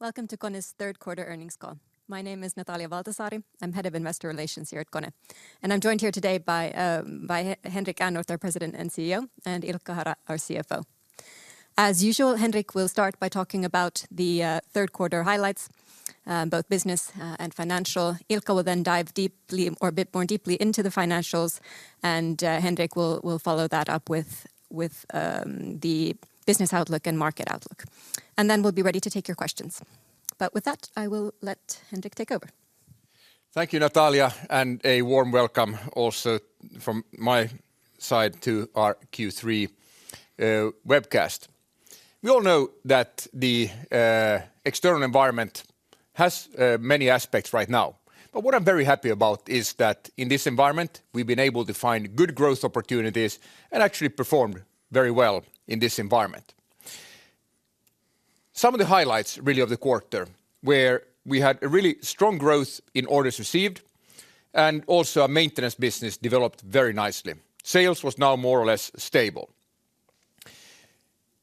Welcome to KONE's third quarter earnings call. My name is Natalia Valtasaari. I'm Head of Investor Relations here at KONE. I'm joined here today by Henrik Ehrnrooth, our President and CEO, and Ilkka Hara, our CFO. As usual, Henrik will start by talking about the third quarter highlights, both business and financial. Ilkka will then dive deeply or a bit more deeply into the financials, and Henrik will follow that up with the business outlook and market outlook. Then we'll be ready to take your questions. With that, I will let Henrik take over. Thank you, Natalia, and a warm welcome also from my side to our Q3 webcast. We all know that the external environment has many aspects right now. What I'm very happy about is that in this environment, we've been able to find good growth opportunities and actually performed very well in this environment. Some of the highlights really of the quarter were we had a really strong growth in orders received and also our maintenance business developed very nicely. Sales was now more or less stable.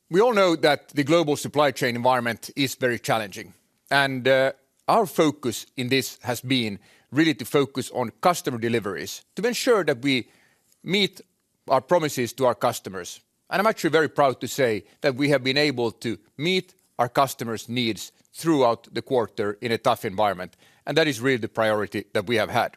We all know that the global supply chain environment is very challenging, and our focus in this has been really to focus on customer deliveries to ensure that we meet our promises to our customers. I'm actually very proud to say that we have been able to meet our customers' needs throughout the quarter in a tough environment, and that is really the priority that we have had.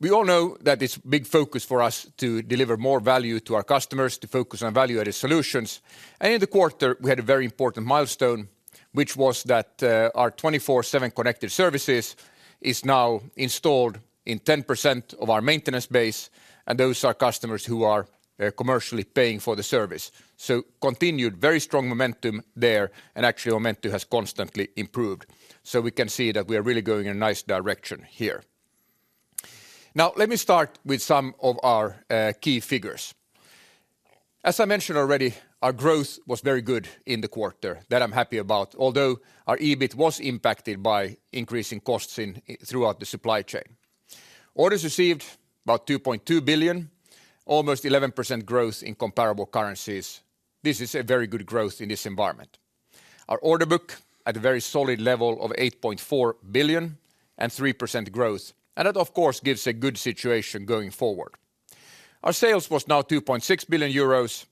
We all know that it's big focus for us to deliver more value to our customers, to focus on value-added solutions. In the quarter, we had a very important milestone, which was that, our 24/7 Connected Services is now installed in 10% of our maintenance base, and those are customers who are, commercially paying for the service. Continued very strong momentum there and actually momentum has constantly improved. We can see that we are really going in a nice direction here. Now let me start with some of our, key figures. As I mentioned already, our growth was very good in the quarter that I'm happy about. Although our EBIT was impacted by increasing costs throughout the supply chain. Orders received about 2.2 billion, almost 11% growth in comparable currencies. This is a very good growth in this environment. Our order book at a very solid level of 8.4 billion and 3% growth. That of course gives a good situation going forward. Our sales was now 2.6 billion euros,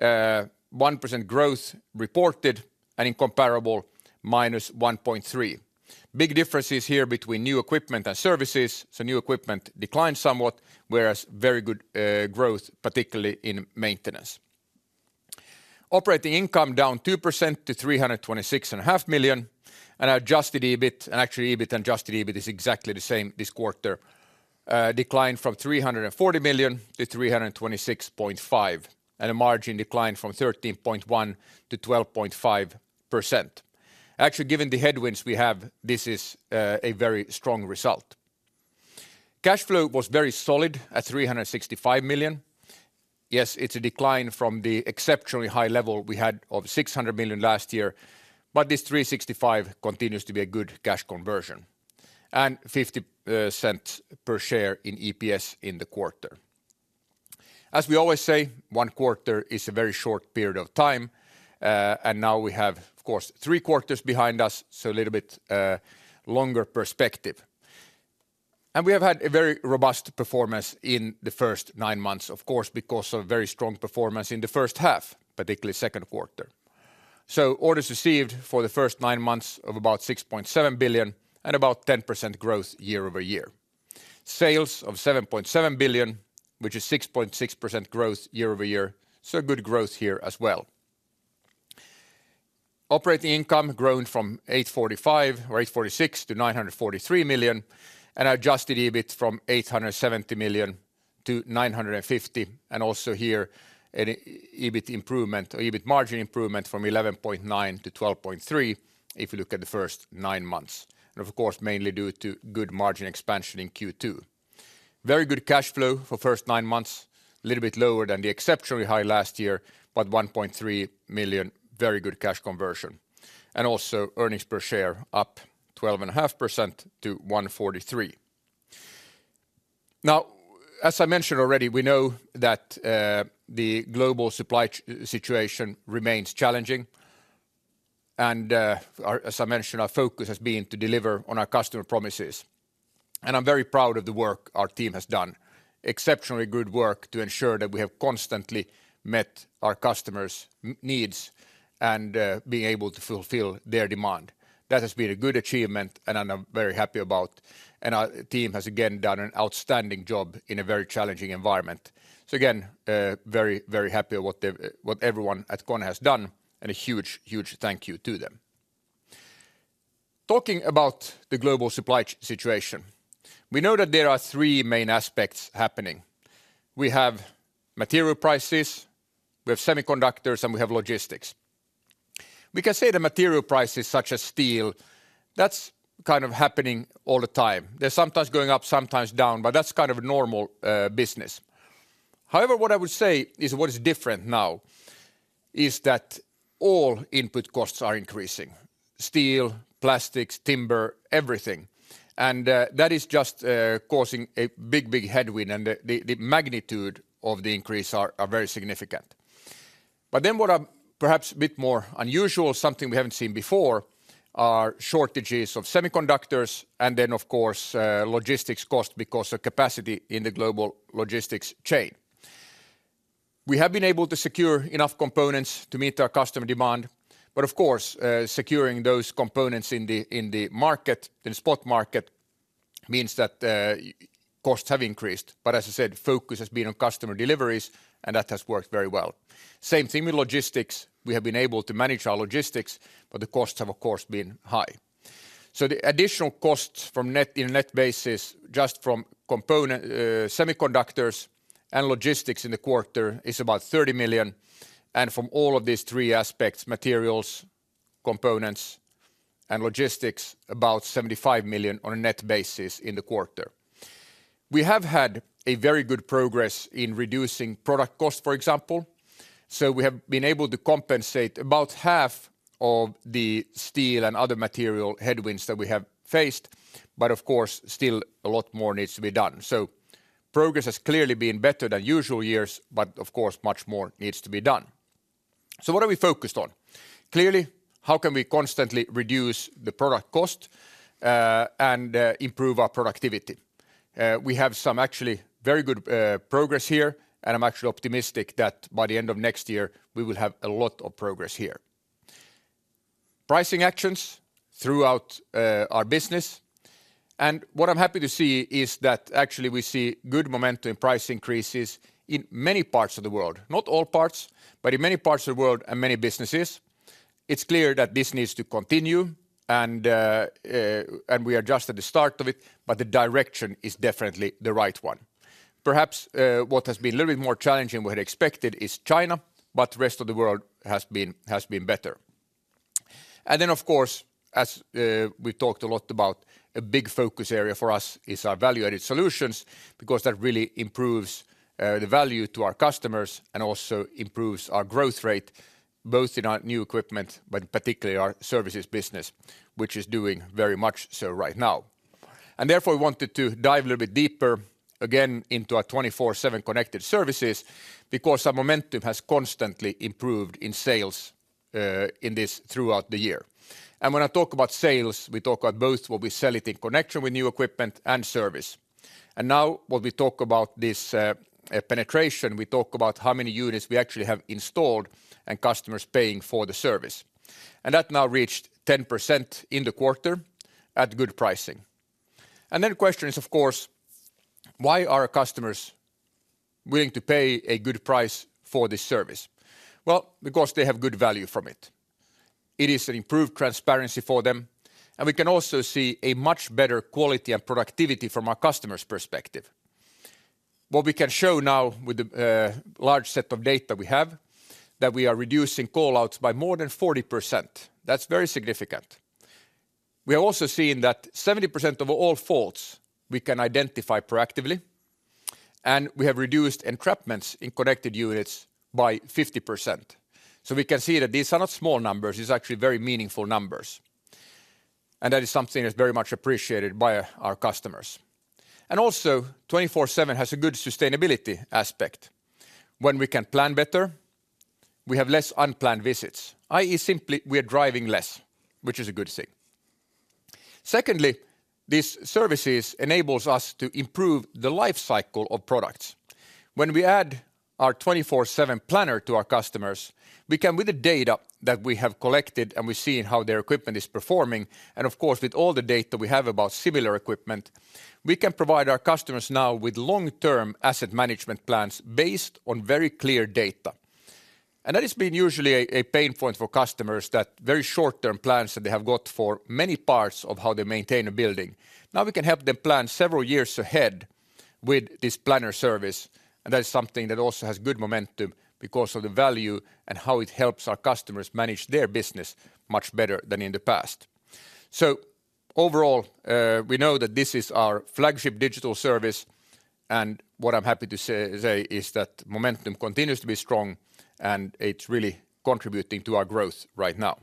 1% growth reported and in comparable 1.3%-. Big differences here between new equipment and services. New equipment declined somewhat, whereas very good growth, particularly in maintenance. Operating income down 2% to 326.5 million, and adjusted EBIT, and actually EBIT and adjusted EBIT is exactly the same this quarter, declined from 340 million to 326.5, and a margin decline from 13.1% to 12.5%. Actually, given the headwinds we have, this is a very strong result. Cash flow was very solid at 365 million. Yes, it's a decline from the exceptionally high level we had of 600 million last year, but this 365 continues to be a good cash conversion. 0.50 per share in EPS in the quarter. As we always say, one quarter is a very short period of time, and now we have, of course, three quarters behind us, so a little bit longer perspective. We have had a very robust performance in the first nine months, of course, because of very strong performance in the first half, particularly second quarter. Orders received for the first nine months of about 6.7 billion and about 10% growth year-over-year. Sales of 7.7 billion, which is 6.6% growth year-over-year, so good growth here as well. Operating income grown from 845 or 846 to 943 million, and adjusted EBIT from 870 million to 950 million. Also here an EBIT improvement or EBIT margin improvement from 11.9% to 12.3%, if you look at the first nine months. Of course, mainly due to good margin expansion in Q2. Very good cash flow for first nine months, a little bit lower than the exceptionally high last year, but 1.3 million, very good cash conversion. Earnings per share up 12.5% to 1.43. Now, as I mentioned already, we know that the global supply chain situation remains challenging. As I mentioned, our focus has been to deliver on our customer promises. I'm very proud of the work our team has done. Exceptionally good work to ensure that we have constantly met our customers' needs and being able to fulfill their demand. That has been a good achievement, and I'm very happy about. Our team has again done an outstanding job in a very challenging environment. Again, very, very happy with what everyone at KONE has done, and a huge, huge thank you to them. Talking about the global supply situation, we know that there are three main aspects happening. We have material prices, we have semiconductors, and we have logistics. We can say the material prices such as steel, that's kind of happening all the time. They're sometimes going up, sometimes down, but that's kind of normal business. However, what I would say is what is different now is that all input costs are increasing, steel, plastics, timber, everything. That is just causing a big, big headwind, and the magnitude of the increase are very significant. What are perhaps a bit more unusual, something we haven't seen before, are shortages of semiconductors and then of course, logistics cost because of capacity in the global logistics chain. We have been able to secure enough components to meet our customer demand, but of course, securing those components in the, in the market, in the spot market, means that, costs have increased. As I said, focus has been on customer deliveries, and that has worked very well. Same thing with logistics. We have been able to manage our logistics, but the costs have of course been high. The additional costs from net, in net basis just from component, semiconductors and logistics in the quarter is about 30 million, and from all of these three aspects, materials, components, and logistics, about 75 million on a net basis in the quarter. We have had a very good progress in reducing product cost, for example, so we have been able to compensate about half of the steel and other material headwinds that we have faced, but of course still a lot more needs to be done. Progress has clearly been better than usual years, but of course much more needs to be done. What are we focused on? Clearly, how can we constantly reduce the product cost, and improve our productivity? We have some actually very good progress here, and I'm actually optimistic that by the end of next year we will have a lot of progress here. Pricing actions throughout our business. What I'm happy to see is that actually we see good momentum in price increases in many parts of the world, not all parts, but in many parts of the world and many businesses. It's clear that this needs to continue and we are just at the start of it, but the direction is definitely the right one. Perhaps what has been a little bit more challenging we had expected is China, but the rest of the world has been better. Of course, as we talked a lot about, a big focus area for us is our value-added solutions because that really improves the value to our customers and also improves our growth rate, both in our new equipment, but particularly our services business, which is doing very much so right now. Therefore, we wanted to dive a little bit deeper again into our 24/7 Connected Services because our momentum has constantly improved in sales in this throughout the year. When I talk about sales, we talk about both we sell it in connection with new equipment and service. Now when we talk about this penetration, we talk about how many units we actually have installed and customers paying for the service. That now reached 10% in the quarter at good pricing. Then the question is, of course, why are customers willing to pay a good price for this service? Well, because they have good value from it. It is an improved transparency for them, and we can also see a much better quality and productivity from our customer's perspective. What we can show now with the large set of data we have, that we are reducing call-outs by more than 40%. That's very significant. We are also seeing that 70% of all faults we can identify proactively, and we have reduced entrapments in connected units by 50%. We can see that these are not small numbers. These actually very meaningful numbers. That is something that's very much appreciated by our customers. 24/7 has a good sustainability aspect. When we can plan better, we have less unplanned visits, i.e. simply we are driving less, which is a good thing. Secondly, these services enables us to improve the life cycle of products. When we add our 24/7 Planner to our customers, we can, with the data that we have collected and we're seeing how their equipment is performing, and of course, with all the data we have about similar equipment, we can provide our customers now with long-term asset management plans based on very clear data. That has been usually a pain point for customers, the very short-term plans that they have got for many parts of how they maintain a building. Now we can help them plan several years ahead with this planner service, and that is something that also has good momentum because of the value and how it helps our customers manage their business much better than in the past. Overall, we know that this is our flagship digital service, and what I'm happy to say is that momentum continues to be strong, and it's really contributing to our growth right now.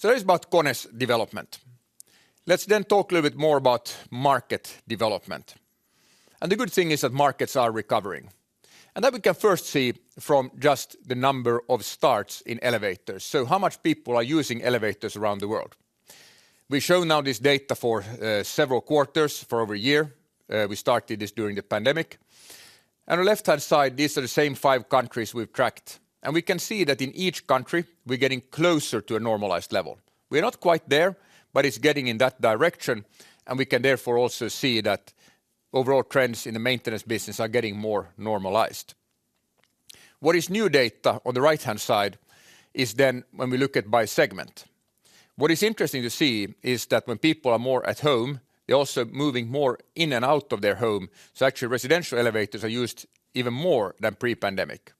That is about KONE's development. Let's talk a little bit more about market development. The good thing is that markets are recovering. That we can first see from just the number of starts in elevators, how much people are using elevators around the world. We show this data now for several quarters for over a year. We started this during the pandemic. On the left-hand side, these are the same five countries we've tracked, and we can see that in each country, we're getting closer to a normalized level. We're not quite there, but it's getting in that direction, and we can therefore also see that overall trends in the maintenance business are getting more normalized. What is new data on the right-hand side is then when we look at it by segment. What is interesting to see is that when people are more at home, they're also moving more in and out of their home, so actually residential elevators are used even more than pre-pandemic.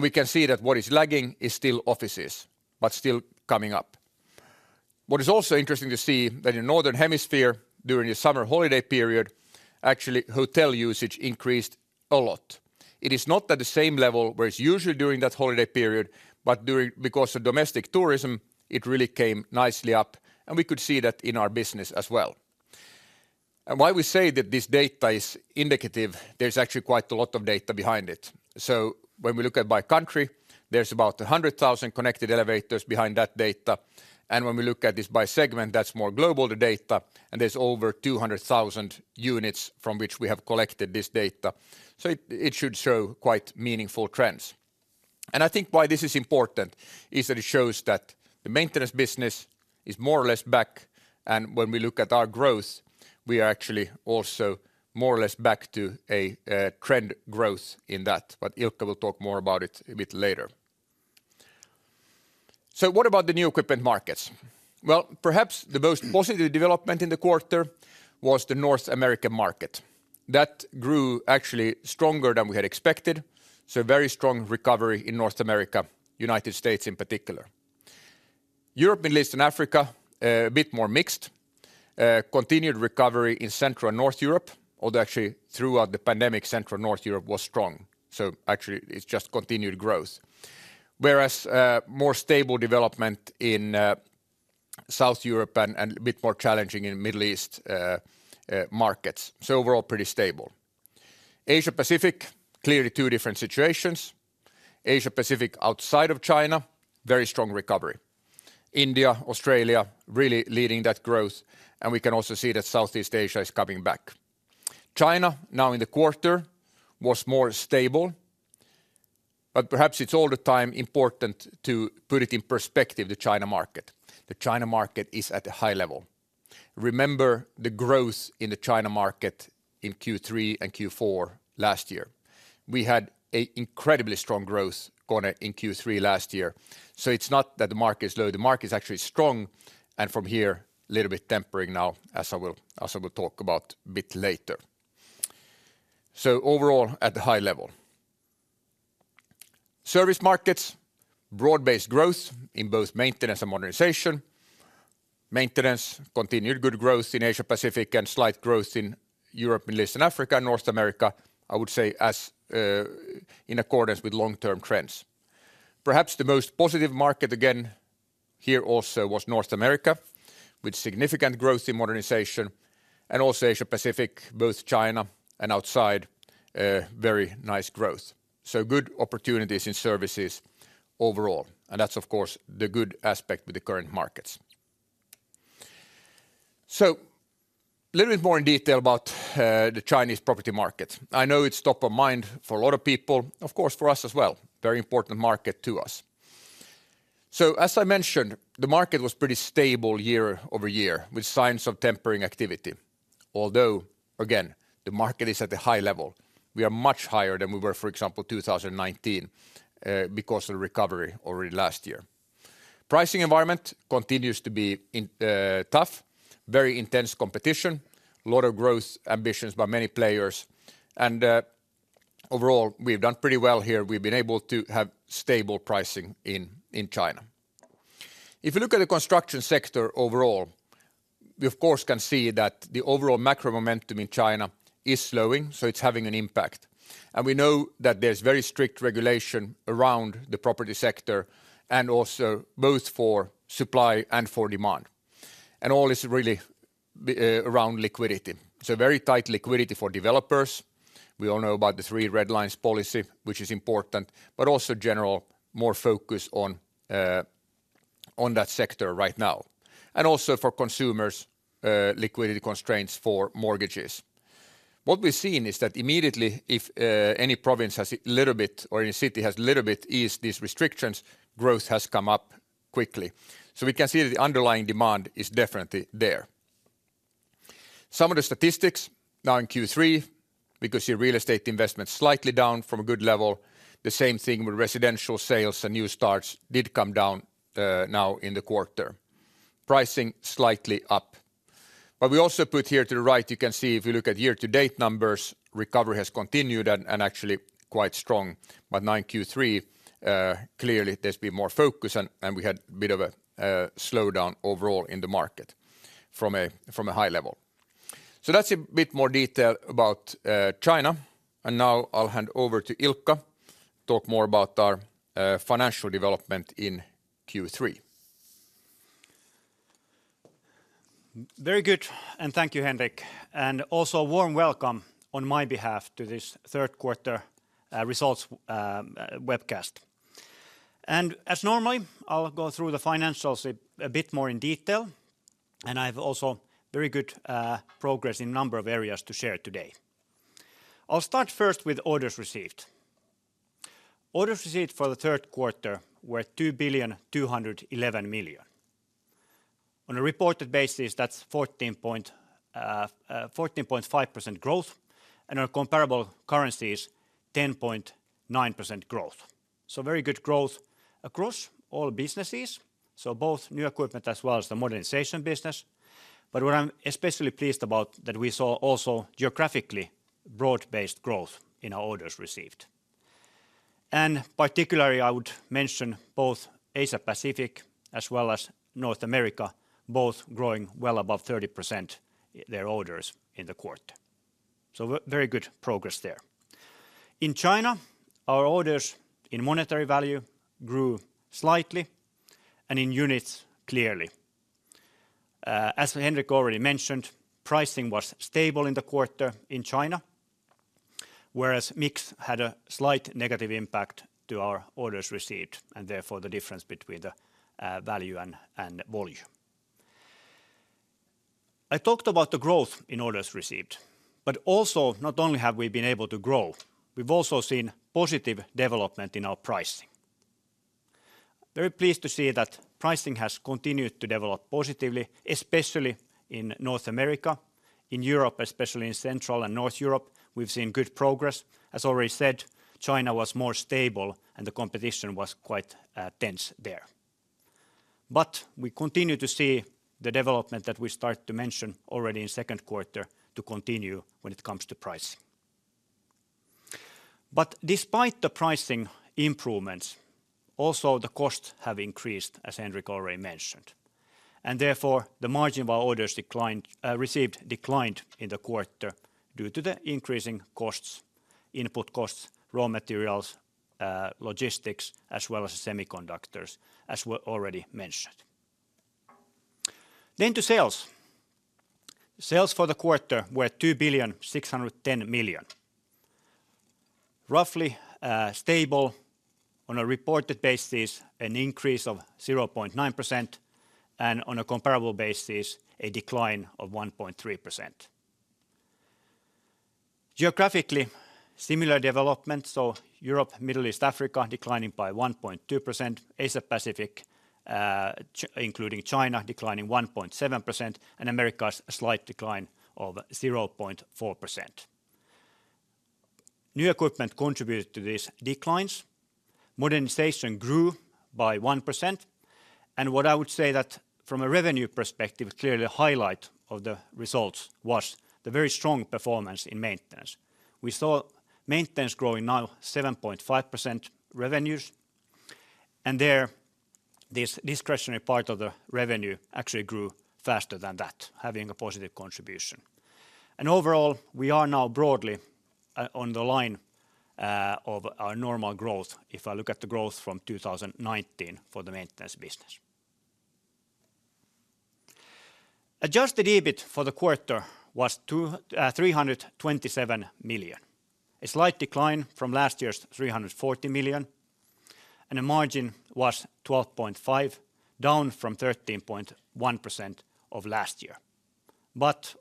We can see that what is lagging is still offices, but still coming up. What is also interesting to see that in the Northern Hemisphere, during the summer holiday period, actually hotel usage increased a lot. It is not at the same level where it's usually during that holiday period, but because of domestic tourism, it really came nicely up, and we could see that in our business as well. Why we say that this data is indicative, there's actually quite a lot of data behind it. When we look at by country, there's about 100,000 connected elevators behind that data. When we look at this by segment, that's more global, the data, and there's over 200,000 units from which we have collected this data. It should show quite meaningful trends. I think why this is important is that it shows that the maintenance business is more or less back, and when we look at our growth, we are actually also more or less back to a trend growth in that. Ilkka will talk more about it a bit later. What about the new equipment markets? Well, perhaps the most positive development in the quarter was the North American market. That grew actually stronger than we had expected, so very strong recovery in North America, United States in particular. Europe, Middle East, and Africa a bit more mixed. Continued recovery in Central and North Europe, although actually throughout the pandemic, Central and North Europe was strong. Actually it's just continued growth. Whereas more stable development in South Europe and a bit more challenging in Middle East markets, so overall pretty stable. Asia-Pacific clearly two different situations. Asia-Pacific outside of China very strong recovery. India, Australia really leading that growth, and we can also see that Southeast Asia is coming back. China now in the quarter was more stable, but perhaps it's all the time important to put it in perspective, the China market. The China market is at a high level. Remember the growth in the China market in Q3 and Q4 last year. We had an incredibly strong growth going in Q3 last year, so it's not that the market is low. The market is actually strong, and from here, little bit tempering now as I will talk about a bit later. Overall, at the high level. Service markets, broad-based growth in both maintenance and modernization. Maintenance continued good growth in Asia-Pacific and slight growth in Europe, Middle East, and Africa. North America, I would say as in accordance with long-term trends. Perhaps the most positive market again here also was North America, with significant growth in modernization and also Asia-Pacific, both China and outside, very nice growth. Good opportunities in services overall. That's of course the good aspect with the current markets. A little bit more in detail about the Chinese property market. I know it's top of mind for a lot of people, of course for us as well. Very important market to us. As I mentioned, the market was pretty stable year-over-year, with signs of tempering activity, although, again, the market is at the high level. We are much higher than we were, for example, 2019, because of the recovery already last year. Pricing environment continues to be in a tough, very intense competition, lot of growth ambitions by many players. Overall we've done pretty well here. We've been able to have stable pricing in China. If you look at the construction sector overall, we of course can see that the overall macro momentum in China is slowing, so it's having an impact. We know that there's very strict regulation around the property sector and also both for supply and for demand. All is really around liquidity. Very tight liquidity for developers. We all know about the three red lines policy, which is important, but also general more focus on that sector right now. Also for consumers, liquidity constraints for mortgages. What we've seen is that immediately if any province has a little bit or any city has a little bit eased these restrictions, growth has come up quickly. We can see that the underlying demand is definitely there. Some of the statistics now in Q3, we can see real estate investment slightly down from a good level. The same thing with residential sales and new starts did come down now in the quarter. Pricing slightly up. We also put here to the right. You can see if you look at year-to-date numbers, recovery has continued and actually quite strong. Now in Q3, clearly there's been more focus and we had a bit of a slowdown overall in the market from a high level. That's a bit more detail about China. Now I'll hand over to Ilkka to talk more about our financial development in Q3. Very good, and thank you, Henrik. Also warm welcome on my behalf to this third quarter results webcast. As normally, I'll go through the financials a bit more in detail, and I have also very good progress in number of areas to share today. I'll start first with orders received. Orders received for the third quarter were 2.211 billion. On a reported basis, that's 14.5% growth, and our comparable currency is 10.9% growth. Very good growth across all businesses, both new equipment as well as the modernization business. What I'm especially pleased about that we saw also geographically broad-based growth in our orders received. Particularly, I would mention both Asia Pacific as well as North America, both growing well above 30% their orders in the quarter. Very good progress there. In China, our orders in monetary value grew slightly and in units clearly. As Henrik already mentioned, pricing was stable in the quarter in China, whereas mix had a slight negative impact to our orders received, and therefore the difference between the value and volume. I talked about the growth in orders received, but also not only have we been able to grow, we've also seen positive development in our pricing. Very pleased to see that pricing has continued to develop positively, especially in North America. In Europe, especially in Central and North Europe, we've seen good progress. As already said, China was more stable, and the competition was quite tense there. We continue to see the development that we start to mention already in second quarter to continue when it comes to pricing. Despite the pricing improvements, also the costs have increased, as Henrik already mentioned, and therefore the margin of our orders received declined in the quarter due to the increasing costs, input costs, raw materials, logistics, as well as semiconductors, as we already mentioned. To sales. Sales for the quarter were 2.61 billion. Roughly stable on a reported basis, an increase of 0.9%, and on a comparable basis, a decline of 1.3%. Geographically similar development, so Europe, Middle East, Africa declining by 1.2%. Asia Pacific, including China declining 1.7% and Americas a slight decline of 0.4%. New equipment contributed to these declines. Modernization grew by 1%. What I would say that from a revenue perspective, clearly a highlight of the results was the very strong performance in maintenance. We saw maintenance growing now 7.5% revenues. There, this discretionary part of the revenue actually grew faster than that, having a positive contribution. Overall, we are now broadly on the line of our normal growth, if I look at the growth from 2019 for the maintenance business. Adjusted EBIT for the quarter was 327 million, a slight decline from last year's 340 million, and the margin was 12.5%, down from 13.1% of last year.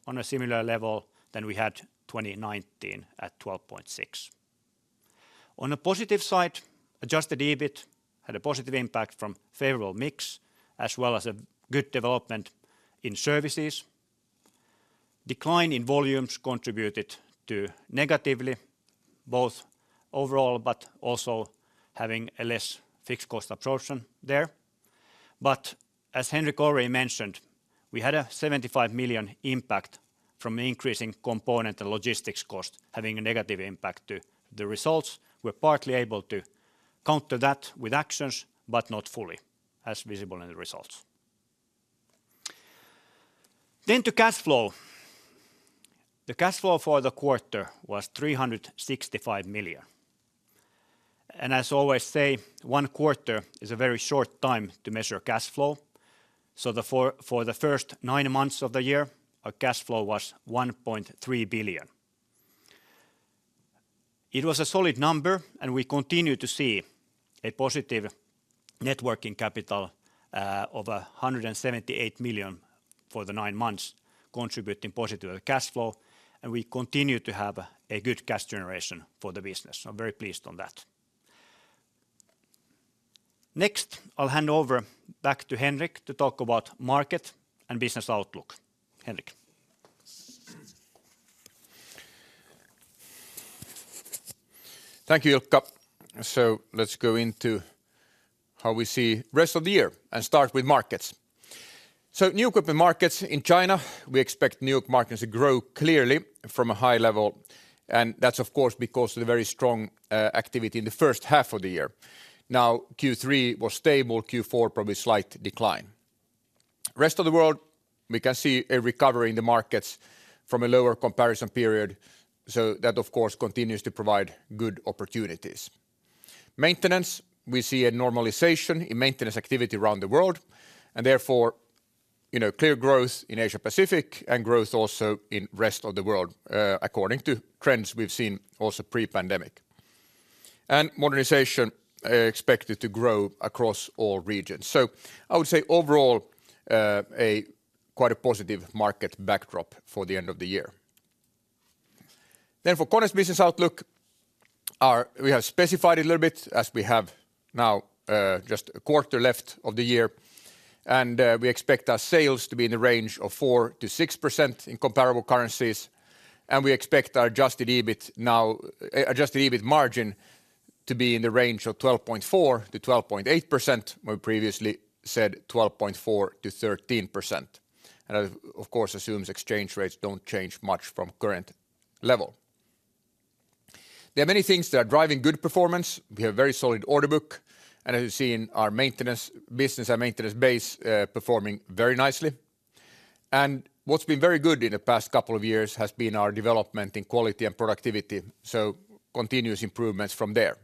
On a similar level than we had 2019 at 12.6%. On a positive side, adjusted EBIT had a positive impact from favorable mix as well as a good development in services. Decline in volumes contributed to negatively both overall, but also having a less fixed cost absorption there. As Henrik already mentioned, we had a 75 million impact from increasing component and logistics costs having a negative impact to the results. We're partly able to counter that with actions, but not fully, as visible in the results. To cash flow. The cash flow for the quarter was 365 million. As I always say, one quarter is a very short time to measure cash flow. For the first nine months of the year, our cash flow was 1.3 billion. It was a solid number, and we continue to see a positive net working capital of 178 million for the nine months contributing positive cash flow, and we continue to have a good cash generation for the business, so very pleased on that. Next, I'll hand back over to Henrik to talk about market and business outlook. Henrik. Thank you, Ilkka. Let's go into how we see rest of the year and start with markets. New equipment markets in China, we expect new equipment markets to grow clearly from a high level, and that's of course because of the very strong activity in the first half of the year. Now, Q3 was stable. Q4 probably slight decline. Rest of the world, we can see a recovery in the markets from a lower comparison period, so that of course continues to provide good opportunities. Maintenance, we see a normalization in maintenance activity around the world and therefore, you know, clear growth in Asia Pacific and growth also in rest of the world according to trends we've seen also pre-pandemic. Modernization expected to grow across all regions. I would say overall, a quite positive market backdrop for the end of the year. For KONE business outlook, we have specified a little bit as we have now just a quarter left of the year, and we expect our sales to be in the range of 4%-6% in comparable currencies, and we expect our adjusted EBIT margin to be in the range of 12.4%-12.8%. We previously said 12.4%-13%. Of course assumes exchange rates don't change much from current level. There are many things that are driving good performance. We have very solid order book, and as you've seen our maintenance business, our maintenance base performing very nicely. What's been very good in the past couple of years has been our development in quality and productivity, so continuous improvements from there.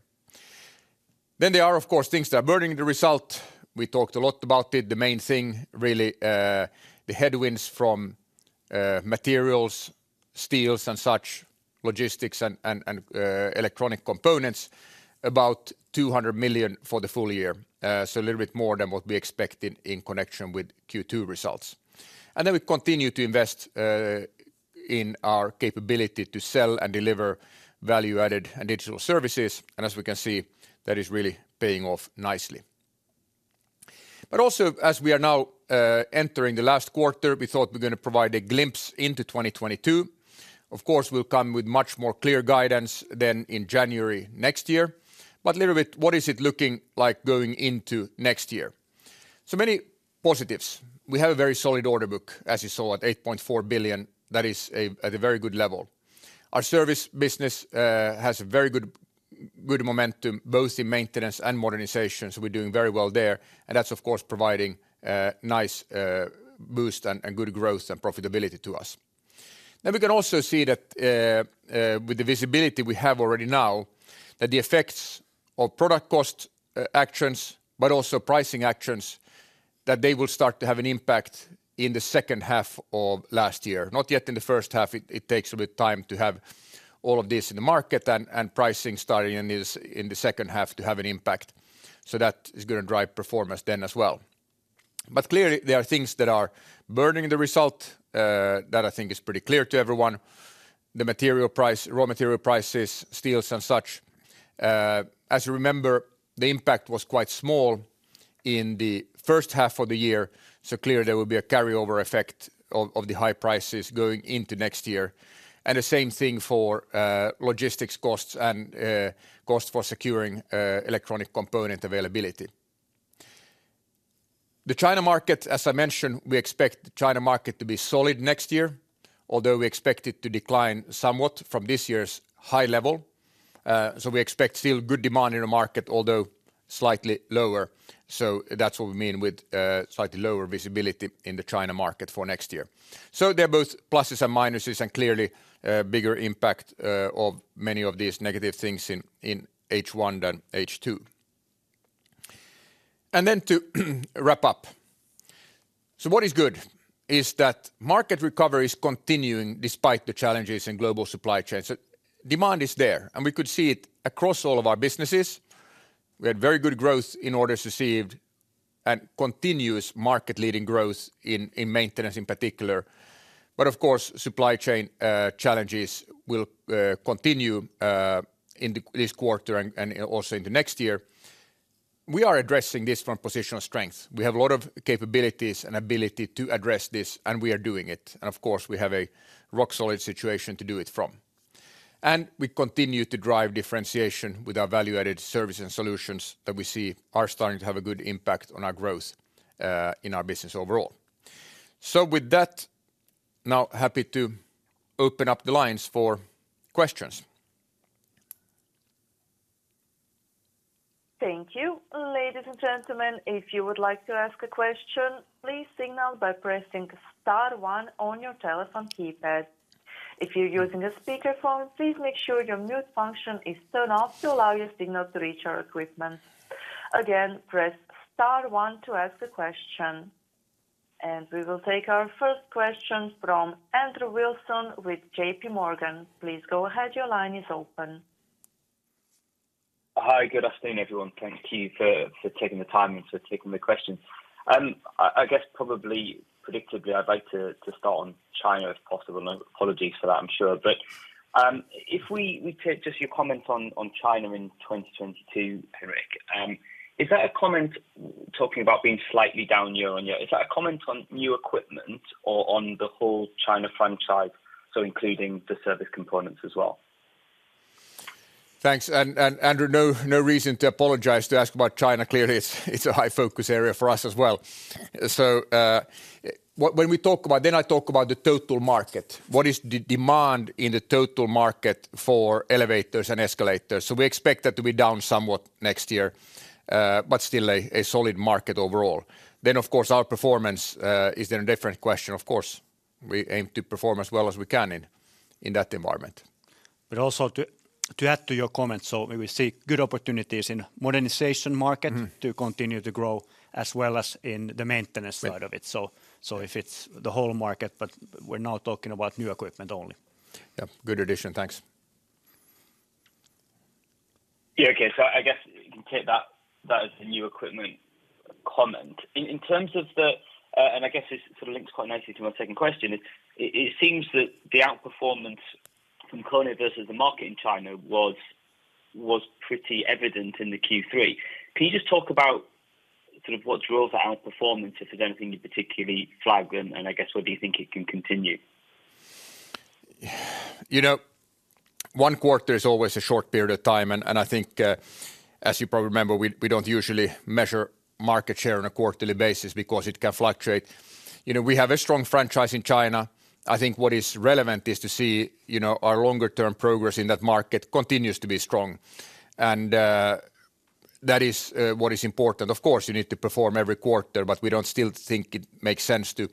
There are, of course, things that are burdening the result. We talked a lot about it. The main thing, really, the headwinds from materials, steels and such, logistics and electronic components, about 200 million for the full year. So a little bit more than what we expected in connection with Q2 results. We continue to invest in our capability to sell and deliver value-added and digital services. And as we can see, that is really paying off nicely. Also, as we are now entering the last quarter, we thought we're gonna provide a glimpse into 2022. Of course, we'll come with much more clear guidance than in January next year. A little bit, what is it looking like going into next year? So many positives. We have a very solid order book, as you saw, at 8.4 billion. That is at a very good level. Our service business has very good momentum, both in maintenance and modernizations. We're doing very well there, and that's of course providing nice boost and good growth and profitability to us. Then we can also see that with the visibility we have already now, that the effects of product cost actions, but also pricing actions, that they will start to have an impact in the second half of last year. Not yet in the first half. It takes a bit of time to have all of this in the market and pricing starting in the second half to have an impact. That is gonna drive performance then as well. Clearly there are things that are burdening the result that I think is pretty clear to everyone. The material price, raw material prices, steel and such. As you remember, the impact was quite small in the first half of the year, so clearly there will be a carryover effect of the high prices going into next year. The same thing for logistics costs and costs for securing electronic component availability. The China market, as I mentioned, we expect the China market to be solid next year, although we expect it to decline somewhat from this year's high level. We expect still good demand in the market, although slightly lower. That's what we mean with slightly lower visibility in the China market for next year. There are both pluses and minuses, and clearly bigger impact of many of these negative things in H1 than H2. Then, to wrap up, what is good is that market recovery is continuing despite the challenges in global supply chains. Demand is there, and we could see it across all of our businesses. We had very good growth in orders received and continuous market-leading growth in maintenance in particular. But of course, supply chain challenges will continue in this quarter and also into next year. We are addressing this from a position of strength. We have a lot of capabilities and ability to address this, and we are doing it. Of course, we have a rock solid situation to do it from. We continue to drive differentiation with our value-added service and solutions that we see are starting to have a good impact on our growth, in our business overall. With that, now happy to open up the lines for questions. Thank you. Ladies and gentlemen, if you would like to ask a question, please signal by pressing star one on your telephone keypad. If you're using a speaker phone, please make sure your mute function is turned off to allow your signal to reach our equipment. Again, press star one to ask a question. We will take our first question from Andrew Wilson with JPMorgan. Please go ahead, your line is open. Hi, good afternoon, everyone. Thank you for taking the time and for taking the question. I guess probably predictably, I'd like to start on China, if possible. Apologies for that, I'm sure. If we take just your comment on China in 2022, Henrik, is that a comment talking about being slightly down year on year? Is that a comment on new equipment or on the whole China franchise, so including the service components as well? Thanks. Andrew, no reason to apologize to ask about China. Clearly, it's a high focus area for us as well. When we talk about, then I talk about the total market. What is the demand in the total market for elevators and escalators? We expect that to be down somewhat next year, but still a solid market overall. Of course, our performance is then a different question. Of course, we aim to perform as well as we can in that environment. Also, to add to your comment, so we will see good opportunities in modernization market. Mm-hmm... to continue to grow, as well as in the maintenance side of it. If it's the whole market, but we're now talking about new equipment only. Yeah. Good addition. Thanks. Yeah. Okay. I guess you can take that as the new equipment comment. I guess it sort of links quite nicely to my second question. It seems that the outperformance from KONE versus the market in China was pretty evident in the Q3. Can you just talk about sort of what drove that outperformance, if there's anything you'd particularly flag, and I guess whether you think it can continue? You know, one quarter is always a short period of time. I think, as you probably remember, we don't usually measure market share on a quarterly basis because it can fluctuate. You know, we have a strong franchise in China. I think what is relevant is to see, you know, our longer term progress in that market continues to be strong. That is what is important. Of course, you need to perform every quarter, but we don't still think it makes sense to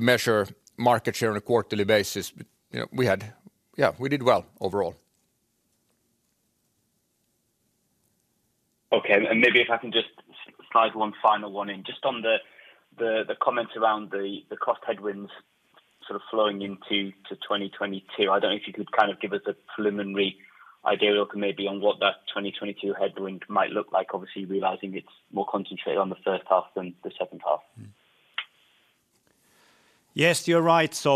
measure market share on a quarterly basis. You know, yeah, we did well overall. Okay. Maybe if I can just slide one final one in. Just on the comments around the cost headwinds sort of flowing into 2022. I don't know if you could kind of give us a preliminary idea or maybe on what that 2022 headwind might look like, obviously realizing it's more concentrated on the first half than the second half. Yes, you're right.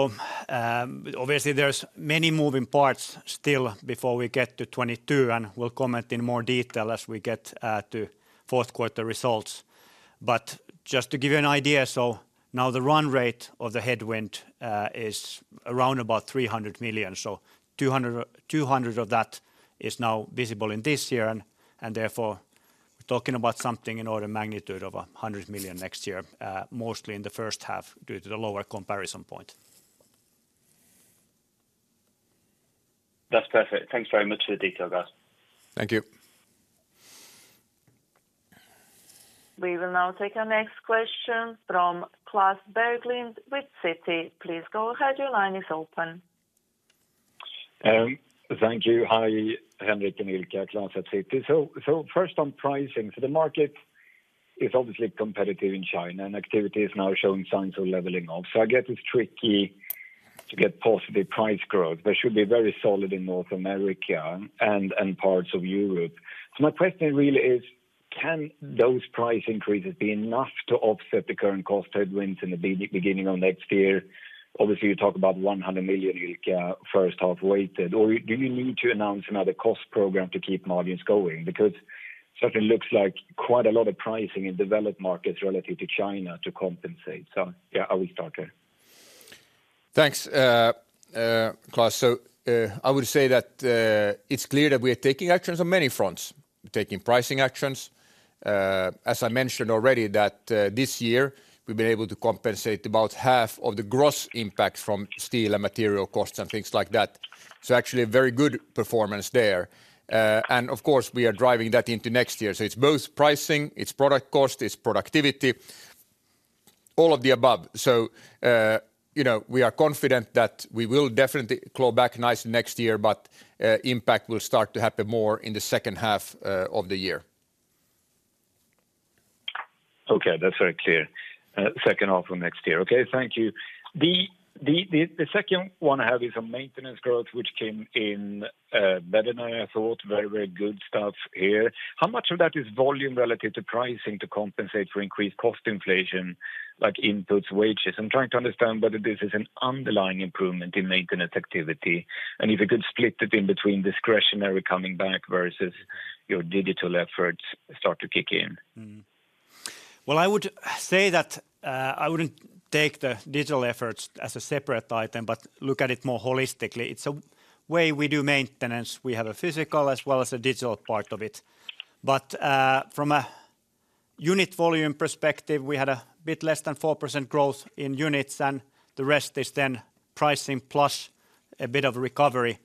Obviously there's many moving parts still before we get to 2022, and we'll comment in more detail as we get to fourth quarter results. Just to give you an idea, now the run rate of the headwind is around about 300 million. Two hundred of that is now visible in this year and therefore we're talking about something in order of magnitude of 100 million next year, mostly in the first half due to the lower comparison point. That's perfect. Thanks very much for the detail, guys. Thank you. We will now take our next question from Klas Bergelind with Citi. Please go ahead, your line is open. Thank you. Hi, Henrik and Ilkka, Klas at Citi. First on pricing. The market is obviously competitive in China, and activity is now showing signs of leveling off. I guess it's tricky to get positive price growth, but it should be very solid in North America and parts of Europe. My question really is can those price increases be enough to offset the current cost headwinds in the beginning of next year? Obviously, you talk about 100 million, Ilkka, first half weighted. Or do you need to announce another cost program to keep margins going? Because certainly looks like quite a lot of pricing in developed markets relative to China to compensate. Yeah, I will start there. Thanks, Klas. I would say that it's clear that we are taking actions on many fronts. We're taking pricing actions. As I mentioned already that this year we've been able to compensate about half of the gross impact from steel and material costs and things like that. It's actually a very good performance there. And of course, we are driving that into next year. It's both pricing, it's product cost, it's productivity, all of the above. You know, we are confident that we will definitely claw back nicely next year, but impact will start to happen more in the second half of the year. Okay, that's very clear. Second half of next year. Okay, thank you. The second one I have is on maintenance growth, which came in better than I thought. Very, very good stuff here. How much of that is volume relative to pricing to compensate for increased cost inflation, like inputs, wages? I'm trying to understand whether this is an underlying improvement in maintenance activity, and if you could split it in between discretionary coming back versus your digital efforts start to kick in. Well, I would say that I wouldn't take the digital efforts as a separate item, but look at it more holistically. It's a way we do maintenance. We have a physical as well as a digital part of it. From a unit volume perspective, we had a bit less than 4% growth in units, and the rest is then pricing plus a bit of recovery.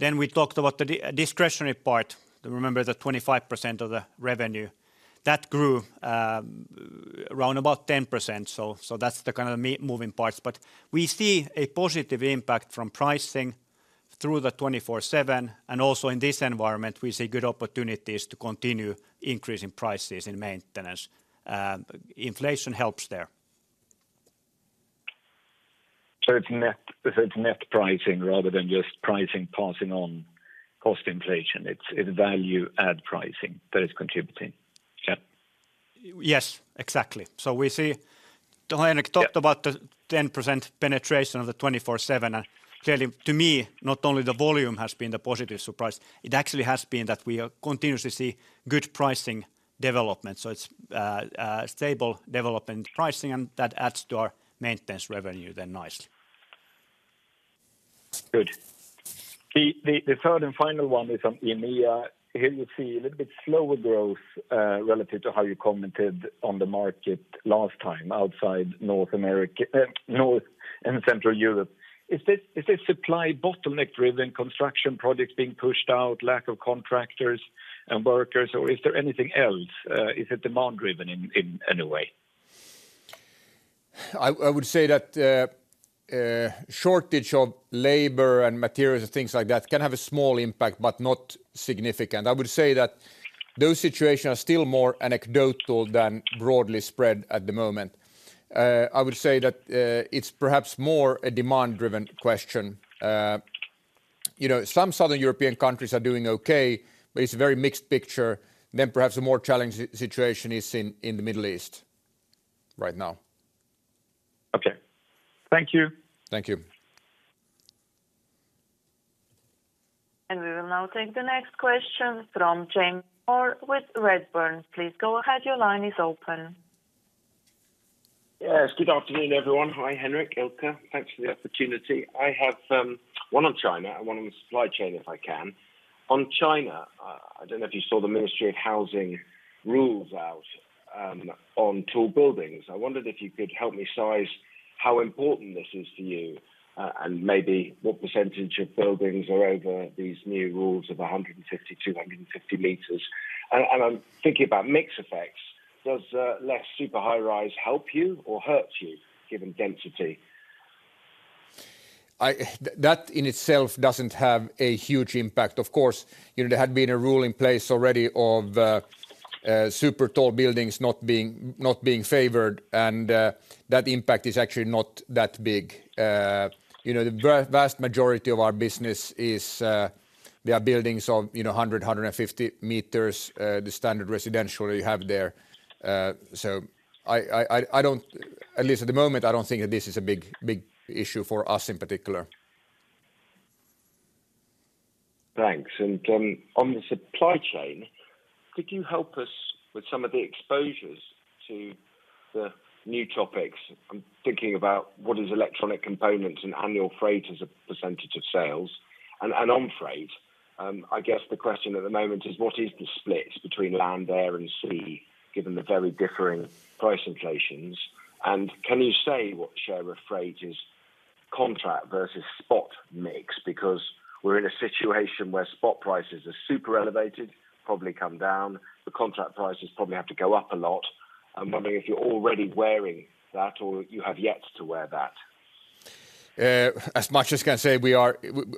We talked about the discretionary part. Remember the 25% of the revenue. That grew around about 10%. That's the kind of moving parts. We see a positive impact from pricing through the 24/7, and also in this environment, we see good opportunities to continue increasing prices in maintenance. Inflation helps there. It's net pricing rather than just pricing passing on cost inflation. It's value add pricing that is contributing. Yeah. Yes, exactly. We see Henrik talked about the 10% penetration of the 24/7. Clearly to me, not only the volume has been the positive surprise, it actually has been that we are continuously see good pricing development. It's stable development pricing, and that adds to our maintenance revenue then nicely. Good. The third and final one is on EMEA. Here you see a little bit slower growth, relative to how you commented on the market last time outside North America, North and Central Europe. Is this supply bottleneck driven construction projects being pushed out, lack of contractors and workers, or is there anything else? Is it demand driven in any way? I would say that shortage of labor and materials and things like that can have a small impact, but not significant. I would say that those situations are still more anecdotal than broadly spread at the moment. I would say that it's perhaps more a demand-driven question. You know, some Southern European countries are doing okay, but it's a very mixed picture. Perhaps a more challenging situation is in the Middle East right now. Okay. Thank you. Thank you. We will now take the next question from James Moore with Redburn. Please go ahead, your line is open. Yes, good afternoon, everyone. Hi, Henrik, Ilkka. Thanks for the opportunity. I have one on China and one on the supply chain, if I can. On China, I don't know if you saw the Ministry of Housing rules on tall buildings. I wondered if you could help me size how important this is to you, and maybe what percentage of buildings are over these new rules of 150 m, 250 m. I'm thinking about mix effects. Does less super high rise help you or hurt you given density? That in itself doesn't have a huge impact. Of course, you know, there had been a rule in place already of super tall buildings not being favored, and that impact is actually not that big. You know, the vast majority of our business is they are buildings of 150 m, the standard residential you have there. At least at the moment, I don't think that this is a big issue for us in particular. Thanks. On the supply chain, could you help us with some of the exposures to the new topics? I'm thinking about what is electronic components and annual freight as a percentage of sales. On freight, I guess the question at the moment is what is the split between land, air and sea given the very differing price inflations? Can you say what share of freight is contract versus spot mix? Because we're in a situation where spot prices are super elevated, probably come down. The contract prices probably have to go up a lot. I'm wondering if you're already wearing that or you have yet to wear that. As much as I can say,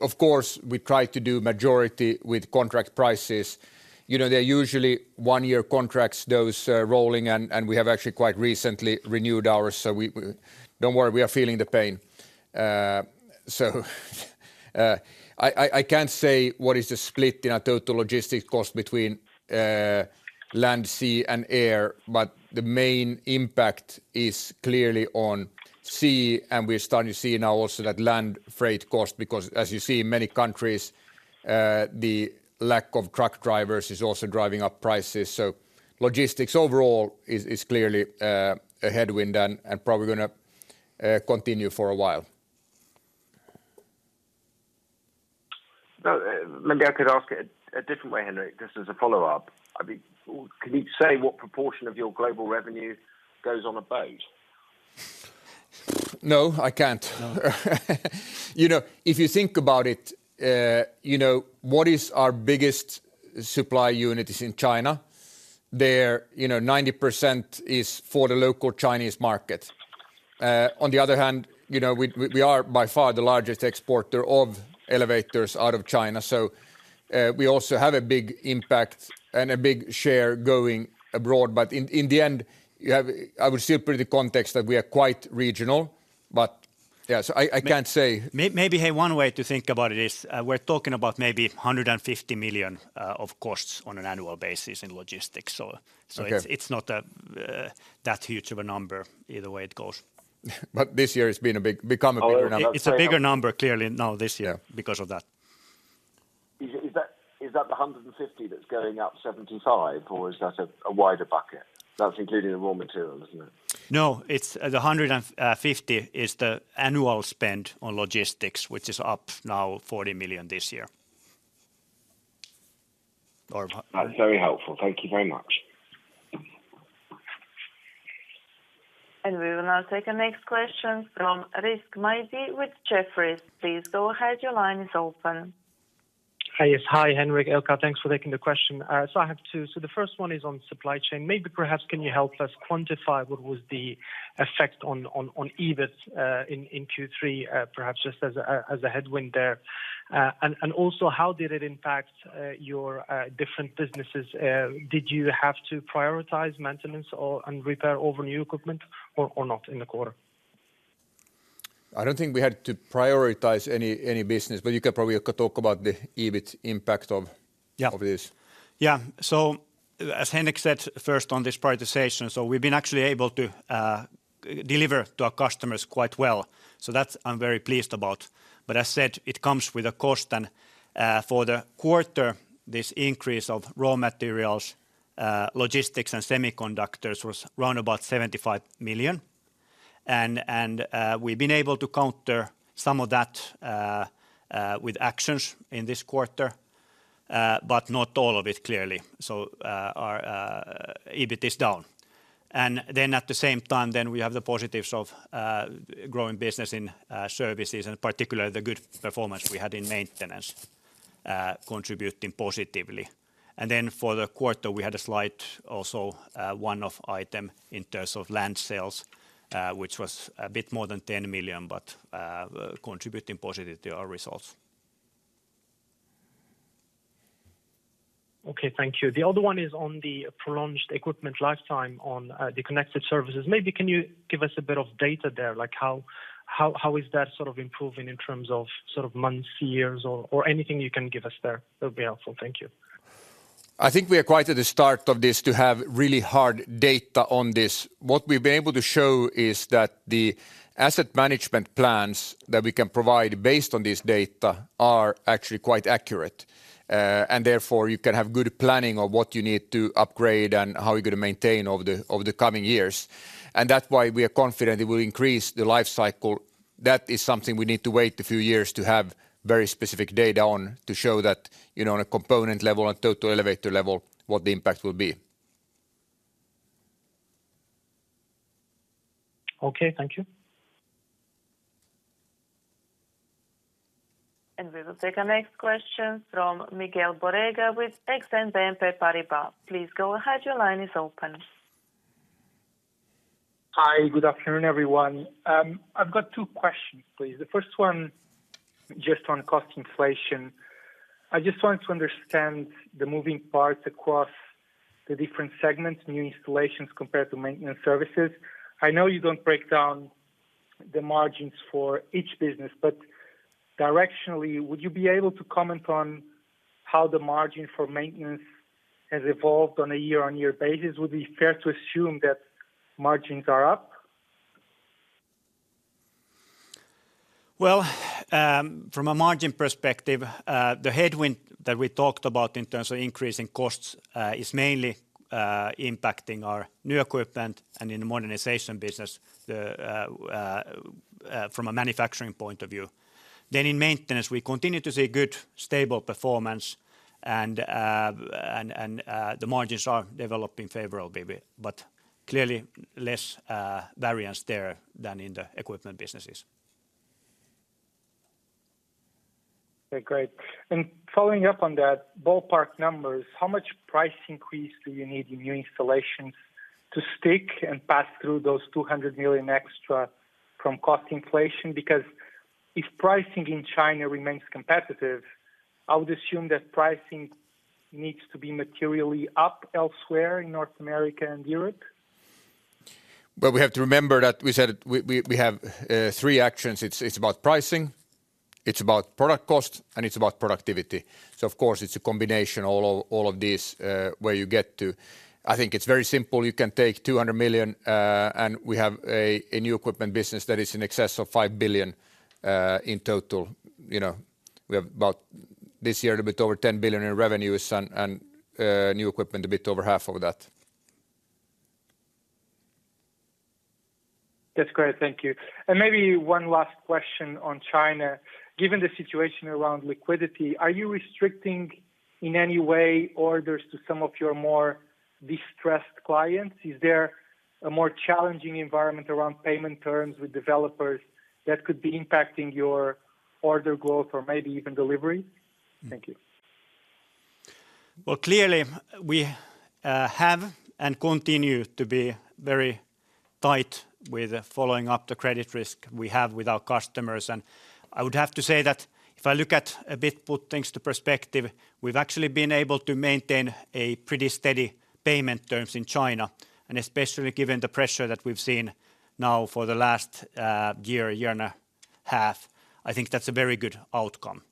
of course, we try to do majority with contract prices. You know, they're usually one-year contracts, those rolling and we have actually quite recently renewed ours. Don't worry, we are feeling the pain. I can't say what is the split in our total logistics cost between land, sea and air, but the main impact is clearly on sea. We're starting to see now also that land freight cost because as you see in many countries, the lack of truck drivers is also driving up prices. Logistics overall is clearly a headwind and probably gonna continue for a while. No. Maybe I could ask it a different way, Henrik, just as a follow-up. I mean, can you say what proportion of your global revenue goes on a boat? No, I can't. You know, if you think about it, you know, what is our biggest supply unit is in China. There, you know, 90% is for the local Chinese market. On the other hand, you know, we are by far the largest exporter of elevators out of China. So, we also have a big impact and a big share going abroad. In the end, I would still put the context that we are quite regional. Yeah, I can't say- Maybe, hey, one way to think about it is, we're talking about maybe 150 million of costs on an annual basis in logistics. Okay It's not that huge of a number either way it goes. This year it's become a bigger number. Oh, I was gonna say- It's a bigger number clearly now this year. Yeah because of that. Is that the 150 million that's going up 75 million or is that a wider bucket? That's including the raw material, isn't it? No, it's 150 million, the annual spend on logistics, which is up 40 million this year. That's very helpful. Thank you very much. We will now take the next question from Rizk Maidi with Jefferies. Please go ahead, your line is open. Hi. Yes. Hi, Henrik, Ilkka, thanks for taking the question. I have two. The first one is on supply chain. Maybe perhaps can you help us quantify what was the effect on EBIT in Q3, perhaps just as a headwind there? And also how did it impact your different businesses? Did you have to prioritize maintenance or repair over new equipment or not in the quarter? I don't think we had to prioritize any business, but you can probably talk about the EBIT impact of. Yeah of this. Yeah. As Henrik said first on this prioritization, we've been actually able to deliver to our customers quite well. That I'm very pleased about. As said, it comes with a cost and for the quarter, this increase of raw materials, logistics and semiconductors was around about 75 million. We've been able to counter some of that with actions in this quarter, but not all of it, clearly. Our EBIT is down. At the same time, we have the positives of growing business in services and particularly the good performance we had in maintenance, contributing positively. For the quarter, we had a slight also one-off item in terms of land sales, which was a bit more than 10 million, but contributing positively to our results. Okay. Thank you. The other one is on the prolonged equipment lifetime on the connected services. Maybe can you give us a bit of data there, like how is that sort of improving in terms of sort of months, years or anything you can give us there? That'll be helpful. Thank you. I think we are quite at the start of this to have really hard data on this. What we've been able to show is that the asset management plans that we can provide based on this data are actually quite accurate. Therefore you can have good planning of what you need to upgrade and how you're gonna maintain over the coming years. That's why we are confident it will increase the life cycle. That is something we need to wait a few years to have very specific data on to show that, you know, on a component level and total elevator level, what the impact will be. Okay, thank you. We will take our next question from Miguel Borrega with Exane BNP Paribas. Please go ahead. Your line is open. Hi, good afternoon, everyone. I've got two questions, please. The first one just on cost inflation. I just wanted to understand the moving parts across the different segments, new installations compared to maintenance services. I know you don't break down the margins for each business, but directionally, would you be able to comment on how the margin for maintenance has evolved on a year-on-year basis? Would it be fair to assume that margins are up? Well, from a margin perspective, the headwind that we talked about in terms of increasing costs is mainly impacting our new equipment and in the modernization business from a manufacturing point of view. In maintenance, we continue to see good, stable performance and the margins are developing favorably, but clearly less variance there than in the equipment businesses. Okay, great. Following up on that ballpark numbers, how much price increase do you need in new installations to stick and pass through those 200 million extra from cost inflation? Because if pricing in China remains competitive, I would assume that pricing needs to be materially up elsewhere in North America and Europe. We have to remember that we said we have three actions. It's about pricing, it's about product cost, and it's about productivity. Of course, it's a combination of all of these, where you get to. I think it's very simple. You can take 200 million, and we have a new equipment business that is in excess of 5 billion in total. You know, we have about this year a bit over 10 billion in revenues and new equipment a bit over half of that. That's great. Thank you. Maybe one last question on China. Given the situation around liquidity, are you restricting in any way orders to some of your more distressed clients? Is there a more challenging environment around payment terms with developers that could be impacting your order growth or maybe even delivery? Thank you. Well, clearly, we have and continue to be very tight with following up the credit risk we have with our customers. I would have to say that if I look back a bit and put things in perspective, we've actually been able to maintain a pretty steady payment terms in China. Especially given the pressure that we've seen now for the last year and a half, I think that's a very good outcome.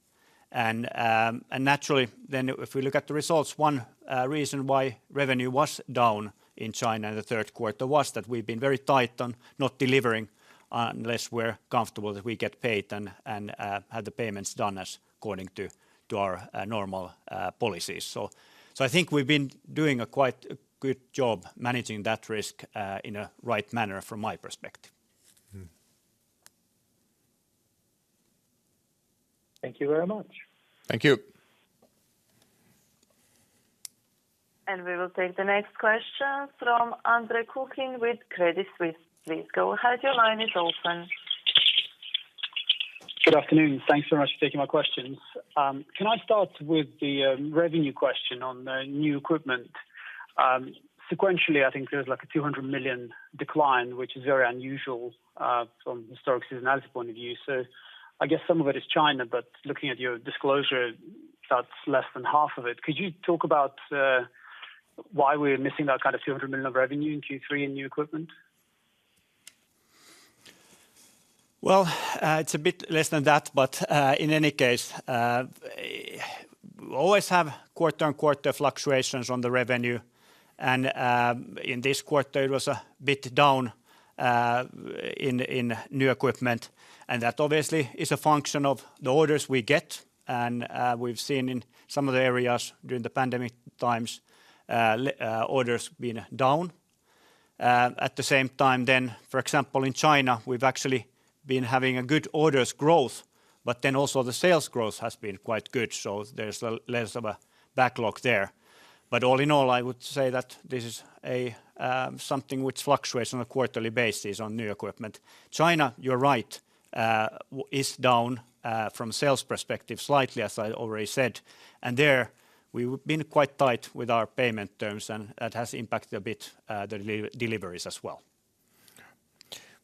Naturally, then if we look at the results, one reason why revenue was down in China in the third quarter was that we've been very tight on not delivering unless we're comfortable that we get paid and had the payments done according to our normal policies. I think we've been doing a quite good job managing that risk, in a right manner from my perspective. Thank you very much. Thank you. We will take the next question from Andre Kukhnin with Credit Suisse. Please go ahead. Your line is open. Good afternoon. Thanks so much for taking my questions. Can I start with the revenue question on the new equipment? Sequentially, I think there's like a 200 million decline, which is very unusual from historical seasonality point of view. I guess some of it is China, but looking at your disclosure, that's less than half of it. Could you talk about why we're missing that kind of 200 million of revenue in Q3 in new equipment? Well, it's a bit less than that, but in any case, always have quarter-on-quarter fluctuations on the revenue. In this quarter, it was a bit down in new equipment. That obviously is a function of the orders we get. We've seen in some of the areas during the pandemic times, orders been down. At the same time then, for example, in China, we've actually been having a good orders growth, but then also the sales growth has been quite good. There's less of a backlog there. All in all, I would say that this is something which fluctuates on a quarterly basis on new equipment. China, you're right, is down from sales perspective slightly, as I already said. There we've been quite tight with our payment terms, and that has impacted a bit the deliveries as well.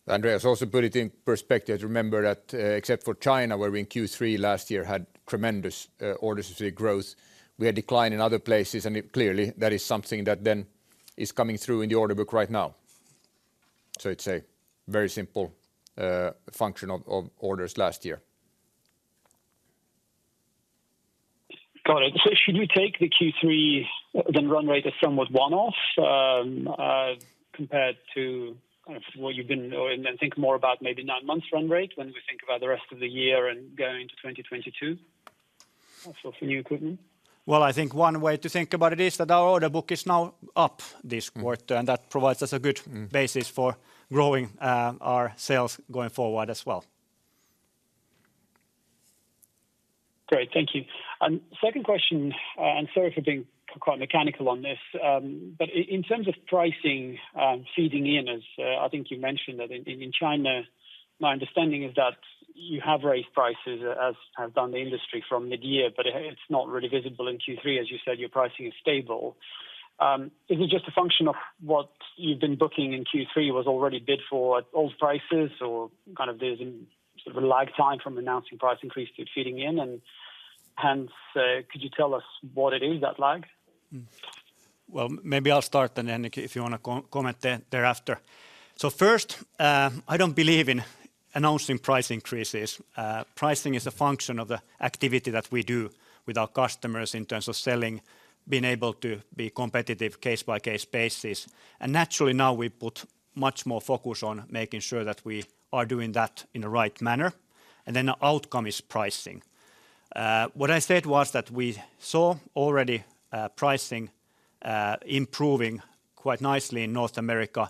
Andre Kukhnin also put it in perspective. Remember that, except for China, where we in Q3 last year had tremendous orders growth, we had decline in other places. Clearly, that is something that then is coming through in the order book right now. It's a very simple function of orders last year. Got it. Should we take the Q3 then run rate as somewhat one-off, compared to kind of what you've been and then think more about maybe nine months run rate when we think about the rest of the year and going to 2022 also for new equipment? Well, I think one way to think about it is that our order book is now up this quarter, and that provides us a good basis for growing our sales going forward as well. Great. Thank you. Second question, and sorry for being quite mechanical on this. In terms of pricing feeding in as I think you mentioned that in China, my understanding is that you have raised prices as have done the industry from mid-year, but it's not really visible in Q3. As you said, your pricing is stable. Is it just a function of what you've been booking in Q3 was already bid for at old prices or kind of there's sort of a lag time from announcing price increase keep feeding in and hence, could you tell us what it is that lag? Well, maybe I'll start then, and if you wanna comment thereafter. First, I don't believe in announcing price increases. Pricing is a function of the activity that we do with our customers in terms of selling, being able to be competitive case-by-case basis. Naturally now we put much more focus on making sure that we are doing that in the right manner, and then the outcome is pricing. What I said was that we saw already pricing improving quite nicely in North America,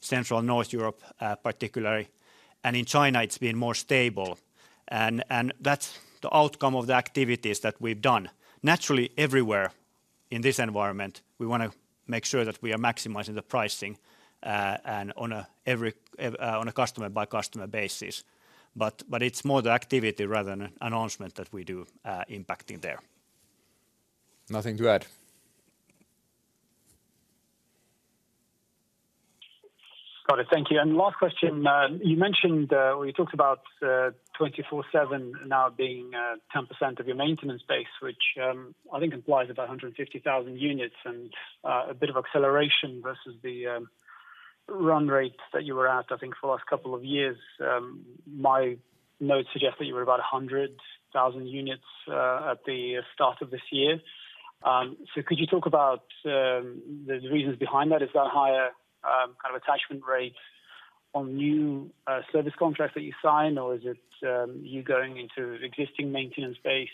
Central and North Europe, particularly. In China it's been more stable. That's the outcome of the activities that we've done. Naturally everywhere in this environment, we wanna make sure that we are maximizing the pricing, and on a customer by customer basis. It's more the activity rather than an announcement that we do, impacting there. Nothing to add. Got it. Thank you. Last question, you mentioned or you talked about 24/7 now being 10% of your maintenance base, which I think implies about 150,000 units and a bit of acceleration versus the run rates that you were at, I think for the last couple of years. My notes suggest that you were about 100,000 units at the start of this year. Could you talk about the reasons behind that? Is that higher kind of attachment rates on new service contracts that you sign or is it you going into existing maintenance base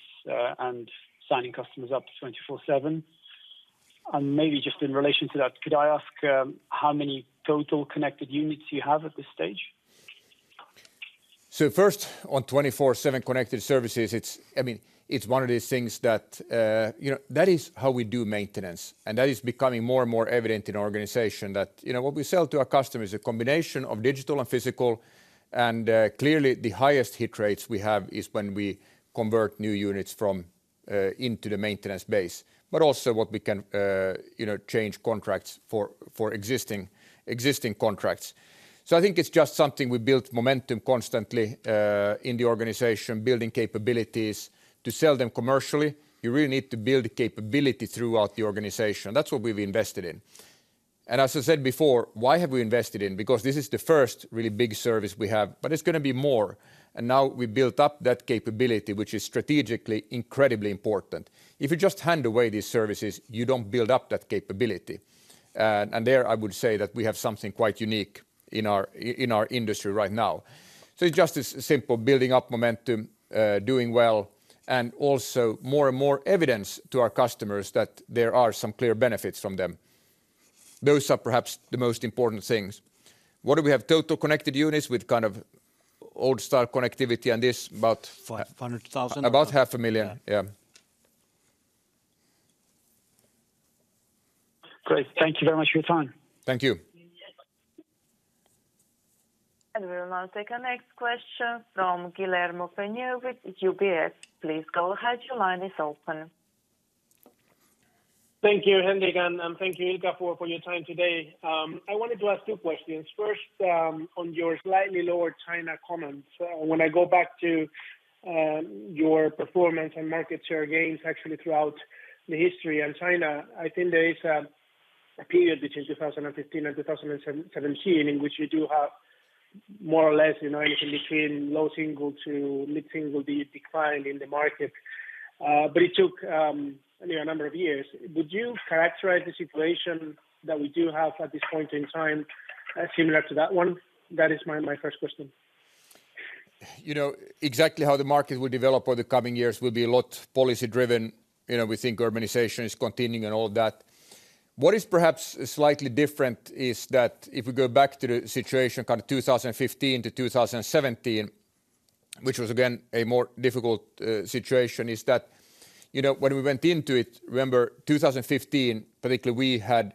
and signing customers up to 24/7? Maybe just in relation to that, could I ask how many total connected units you have at this stage? First, on 24/7 Connected Services, I mean, it's one of these things that, you know, that is how we do maintenance, and that is becoming more and more evident in our organization that, you know, what we sell to our customer is a combination of digital and physical. Clearly, the highest hit rates we have is when we convert new units from into the maintenance base. Also what we can, you know, change contracts for existing contracts. I think it's just something we built momentum constantly in the organization, building capabilities. To sell them commercially, you really need to build capability throughout the organization. That's what we've invested in. As I said before, why have we invested in? Because this is the first really big service we have, but it's gonna be more. Now we built up that capability, which is strategically incredibly important. If you just hand away these services, you don't build up that capability. There I would say that we have something quite unique in our industry right now. It's just as simple, building up momentum, doing well, and also more and more evidence to our customers that there are some clear benefits from them. Those are perhaps the most important things. What do we have total connected units with kind of old style connectivity and this about- 500,000. About 500,000. Yeah. Great. Thank you very much for your time. Thank you. We will now take our next question from Guillermo Peigneux-Lojo with UBS. Please go ahead. Your line is open. Thank you, Henri, and thank you, Ilkka, for your time today. I wanted to ask two questions. First, on your slightly lower China comments. When I go back to your performance and market share gains actually throughout the history in China, I think there is a period between 2015 and 2017 in which you do have more or less, you know, anything between low single-digit to mid-single-digit decline in the market. It took a number of years. Would you characterize the situation that we do have at this point in time as similar to that one? That is my first question. You know, exactly how the market will develop over the coming years will be a lot policy driven. You know, we think urbanization is continuing and all of that. What is perhaps slightly different is that if we go back to the situation kind of 2015-2017, which was again a more difficult situation, you know, when we went into it, remember 2015 particularly, we had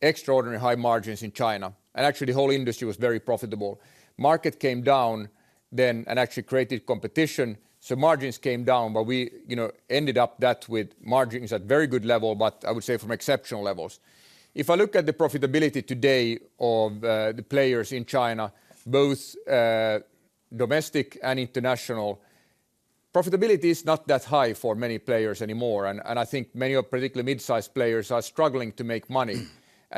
extraordinary high margins in China. Actually the whole industry was very profitable. Market came down then and actually created competition. So margins came down, but we, you know, ended up that with margins at very good level, but I would say from exceptional levels. If I look at the profitability today of the players in China, both domestic and international, profitability is not that high for many players anymore. I think many of, particularly mid-size players, are struggling to make money.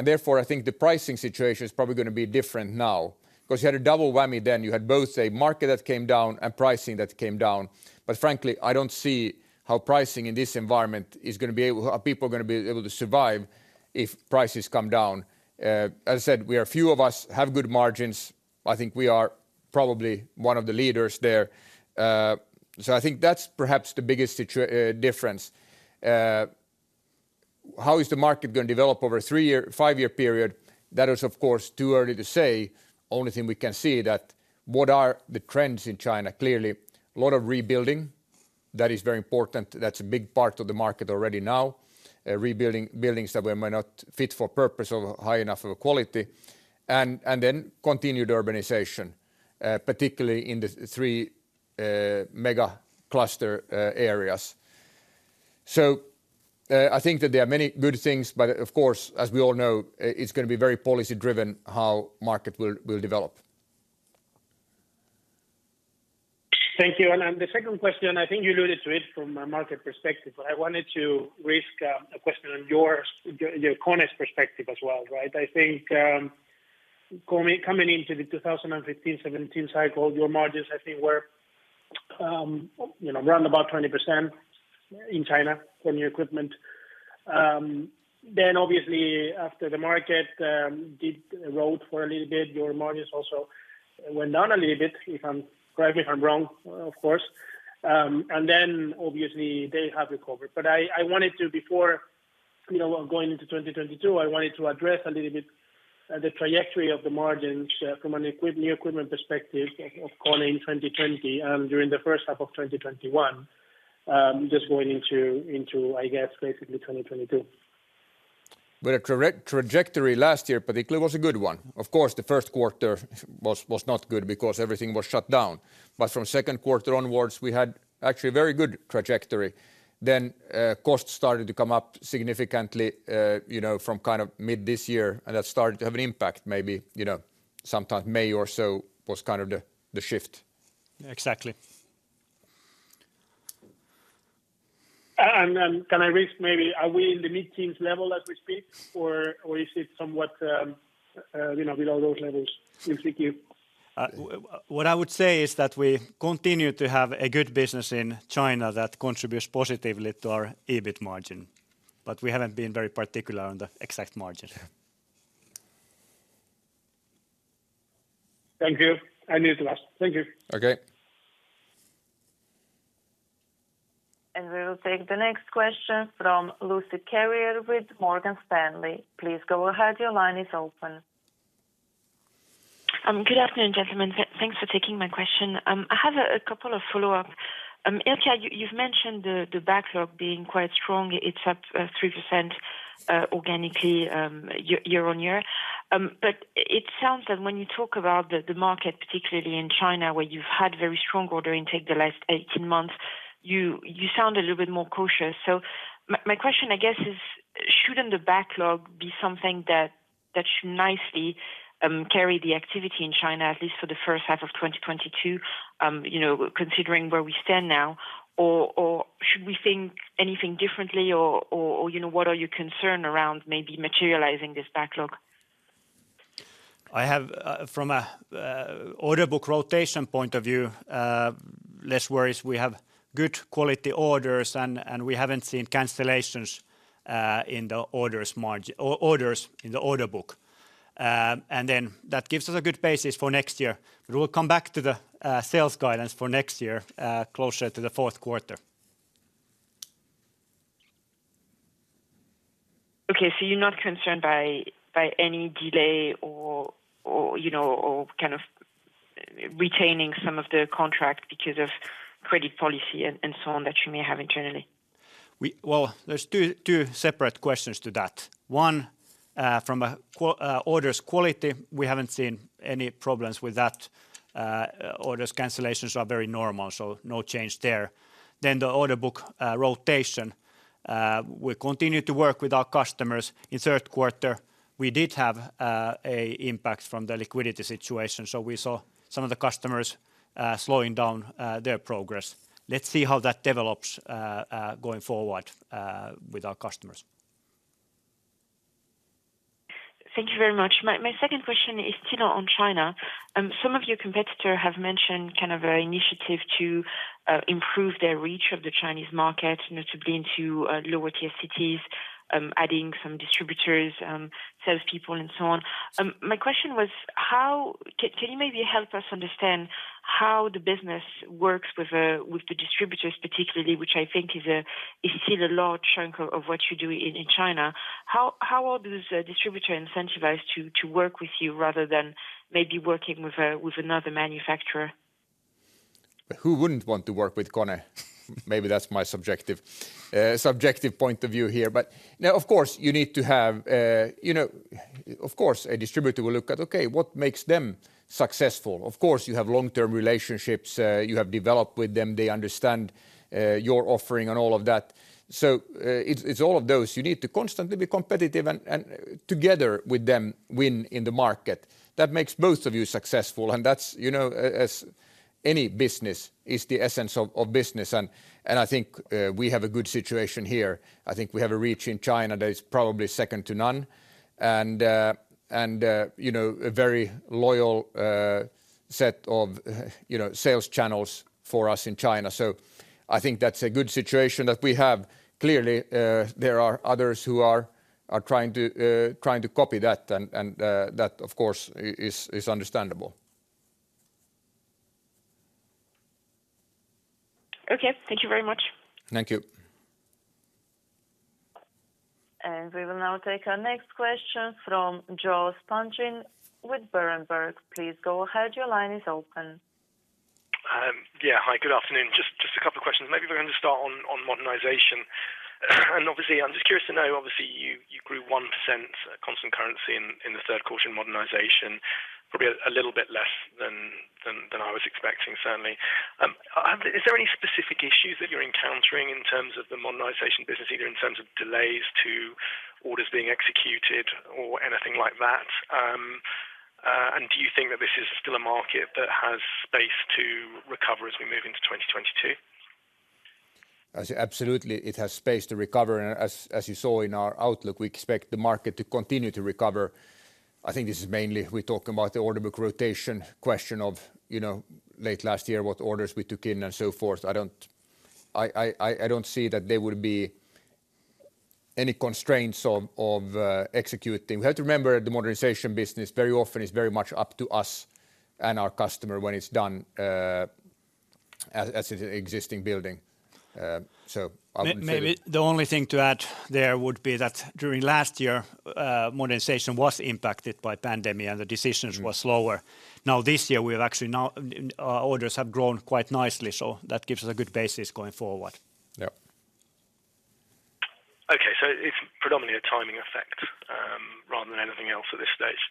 Therefore, I think the pricing situation is probably gonna be different now. 'Cause you had a double whammy then. You had both a market that came down and pricing that came down. Frankly, I don't see how people are gonna be able to survive if prices come down. As I said, few of us have good margins. I think we are probably one of the leaders there. I think that's perhaps the biggest situation difference. How is the market gonna develop over a three-year, five-year period? That is, of course, too early to say. The only thing we can see is what the trends in China are. Clearly, a lot of rebuilding that is very important. That's a big part of the market already now. Rebuilding buildings that were not fit for purpose or of high enough quality, and then continued urbanization, particularly in the three mega cluster areas. I think that there are many good things, but of course, as we all know, it's gonna be very policy driven how the market will develop. Thank you. The second question, I think you alluded to it from a market perspective, but I wanted to ask a question on your KONE's perspective as well, right? I think, coming into the 2015-2017 cycle, your margins, I think, were round about 20% in China from your equipment. Obviously, after the market did roll for a little bit, your margins also went down a little bit. Correct me if I'm wrong, of course. Obviously they have recovered. I wanted to before, you know, going into 2022, I wanted to address a little bit the trajectory of the margins from a new equipment perspective of KONE in 2020 during the first half of 2021 just going into, I guess, basically 2022. Well, the correct trajectory last year particularly was a good one. Of course, the first quarter was not good because everything was shut down. From second quarter onwards, we had actually very good trajectory. Costs started to come up significantly, you know, from kind of mid this year, and that started to have an impact, maybe, you know, sometime May or so was kind of the shift. Exactly. Can I ask maybe, are we in the mid-teens level as we speak, or is it somewhat below those levels in Q2? What I would say is that we continue to have a good business in China that contributes positively to our EBIT margin, but we haven't been very particular on the exact margin. Thank you. It's the last. Thank you. Okay. We'll take the next question from Lucie Carrier with Morgan Stanley. Please go ahead. Your line is open. Good afternoon, gentlemen. Thanks for taking my question. I have a couple of follow-up. Ilkka, you have mentioned the backlog being quite strong. It's up 3% organically year-over-year. It sounds that when you talk about the market, particularly in China, where you've had very strong order intake the last 18 months, you sound a little bit more cautious. My question, I guess, is shouldn't the backlog be something that should nicely carry the activity in China, at least for the first half of 2022, you know, considering where we stand now? Or should we think anything differently, or you know, what are you concerned around maybe materializing this backlog? I have from a order book rotation point of view less worries. We have good quality orders and we haven't seen cancellations in the order book. That gives us a good basis for next year. We'll come back to the sales guidance for next year closer to the fourth quarter. Okay. You're not concerned by any delay or, you know, or kind of retaining some of the contract because of credit policy and so on that you may have internally? Well, there's two separate questions to that. One, from a orders quality, we haven't seen any problems with that. Orders cancellations are very normal, so no change there. The order book rotation, we continue to work with our customers. In third quarter, we did have a impact from the liquidity situation. We saw some of the customers slowing down their progress. Let's see how that develops going forward with our customers. Thank you very much. My second question is still on China. Some of your competitors have mentioned kind of an initiative to improve their reach of the Chinese market, you know, to lean into lower tier cities, adding some distributors, salespeople, and so on. My question was, how can you maybe help us understand how the business works with the distributors, particularly, which I think is still a large chunk of what you do in China? How are those distributors incentivized to work with you rather than maybe working with another manufacturer? Who wouldn't want to work with KONE? Maybe that's my subjective point of view here. Now, of course, you need to have, you know, of course, a distributor will look at, okay, what makes them successful? Of course, you have long-term relationships you have developed with them. They understand your offering and all of that. It's all of those. You need to constantly be competitive and together with them win in the market. That makes both of you successful. That's, you know, as any business is the essence of business. I think we have a good situation here. I think we have a reach in China that is probably second to none, and you know, we have a very loyal set of, you know, sales channels for us in China. I think that's a good situation that we have. Clearly, there are others who are trying to copy that and that, of course, is understandable. Okay. Thank you very much. Thank you. We will now take our next question from Joel Spungin with Berenberg. Please go ahead. Your line is open. Yeah. Hi, good afternoon. Just a couple of questions. Maybe if we can just start on modernization. Obviously, I'm just curious to know, obviously, you grew 1% constant currency in the third quarter in Modernization. Probably a little bit less than I was expecting, certainly. Is there any specific issues that you're encountering in terms of the modernization business, either in terms of delays to orders being executed or anything like that? Do you think that this is still a market that has space to recover as we move into 2022? Yes, absolutely it has space to recover. As you saw in our outlook, we expect the market to continue to recover. I think this is mainly we talk about the order book rotation question of, you know, late last year, what orders we took in and so forth. I don't see that there would be any constraints of executing. We have to remember the modernization business very often is very much up to us and our customer when it's done, as an existing building. So I would say. Maybe the only thing to add there would be that during last year, modernization was impacted by pandemic, and the decisions were slower. Now, this year, we have actually now, orders have grown quite nicely, so that gives us a good basis going forward. Yeah. Okay. It's predominantly a timing effect, rather than anything else at this stage?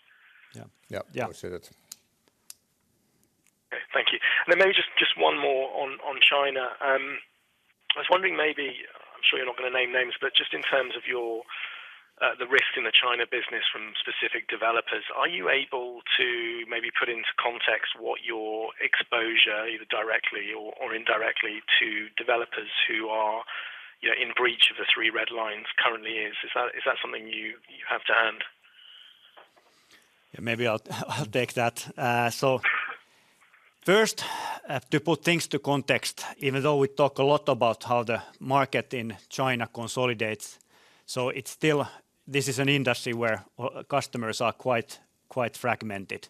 Yeah. Yeah. I would say that. Okay. Thank you. Then maybe just one more on China. I was wondering, maybe, I'm sure you're not gonna name names, but just in terms of your, the risk in the China business from specific developers, are you able to maybe put into context what your exposure, either directly or indirectly to developers who are, you know, in breach of the three red lines currently is? Is that something you have to hand? Yeah. Maybe I'll take that. First, to put things to context, even though we talk a lot about how the market in China consolidates, it's still. This is an industry where customers are quite fragmented.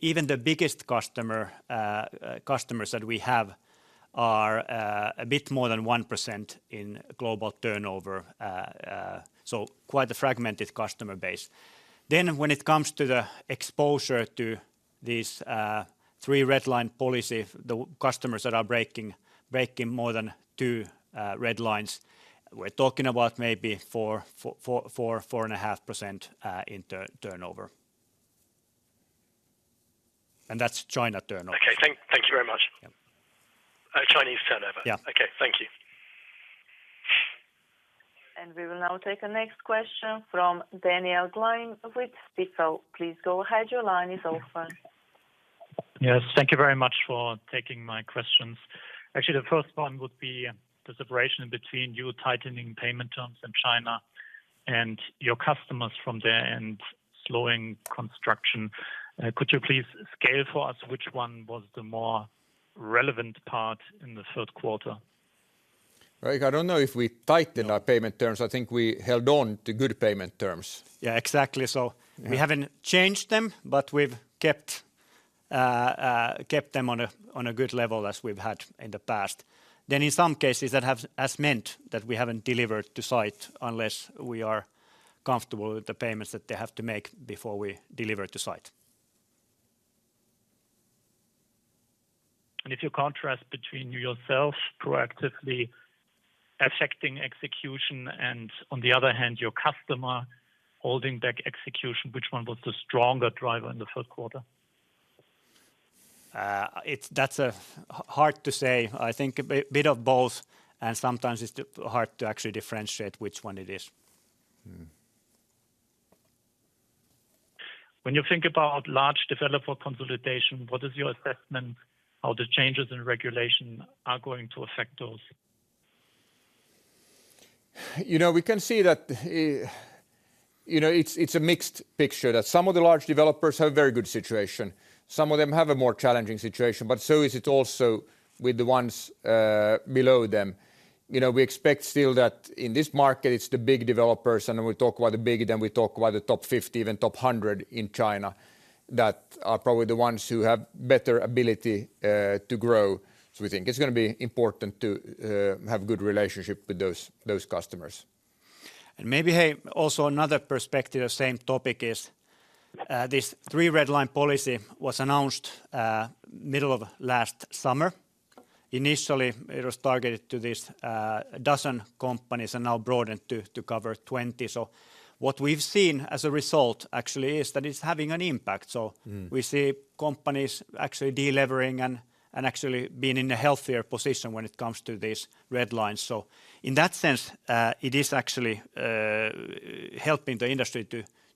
Even the biggest customers that we have are a bit more than 1% in global turnover, so quite a fragmented customer base. Then when it comes to the exposure to these three red lines policy, the customers that are breaking more than two red lines, we're talking about maybe 4.5% in turnover. And that's China turnover. Okay. Thank you very much. Yeah. Chinese turnover. Yeah. Okay. Thank you. We will now take the next question from Daniel Gleim with Stifel. Please go ahead. Your line is open. Yes. Thank you very much for taking my questions. Actually, the first one would be the separation between you tightening payment terms in China and your customers from there, and slowing construction. Could you please scale for us which one was the more relevant part in the third quarter? Like, I don't know if we tightened our payment terms. I think we held on to good payment terms. Yeah, exactly. Yeah We haven't changed them, but we've kept them on a good level as we've had in the past. In some cases that has meant that we haven't delivered to site unless we are comfortable with the payments that they have to make before we deliver to site. If you contrast between yourself proactively affecting execution and on the other hand, your customer holding back execution, which one was the stronger driver in the third quarter? That's hard to say. I think a bit of both, and sometimes it's hard to actually differentiate which one it is. Mm. When you think about large developer consolidation, what is your assessment how the changes in regulation are going to affect those? You know, we can see that, you know, it's a mixed picture that some of the large developers have a very good situation. Some of them have a more challenging situation, but so is it also with the ones below them. You know, we expect still that in this market, it's the big developers, and when we talk about the big, then we talk about the top 50, even top 100 in China, that are probably the ones who have better ability to grow. We think it's gonna be important to have good relationship with those customers. Maybe, hey, also another perspective, same topic is this three red lines policy was announced middle of last summer. Initially, it was targeted to this dozen companies and now broadened to cover 20. What we've seen as a result actually is that it's having an impact. Mm-hmm We see companies actually delevering and actually being in a healthier position when it comes to this red line. In that sense, it is actually helping the industry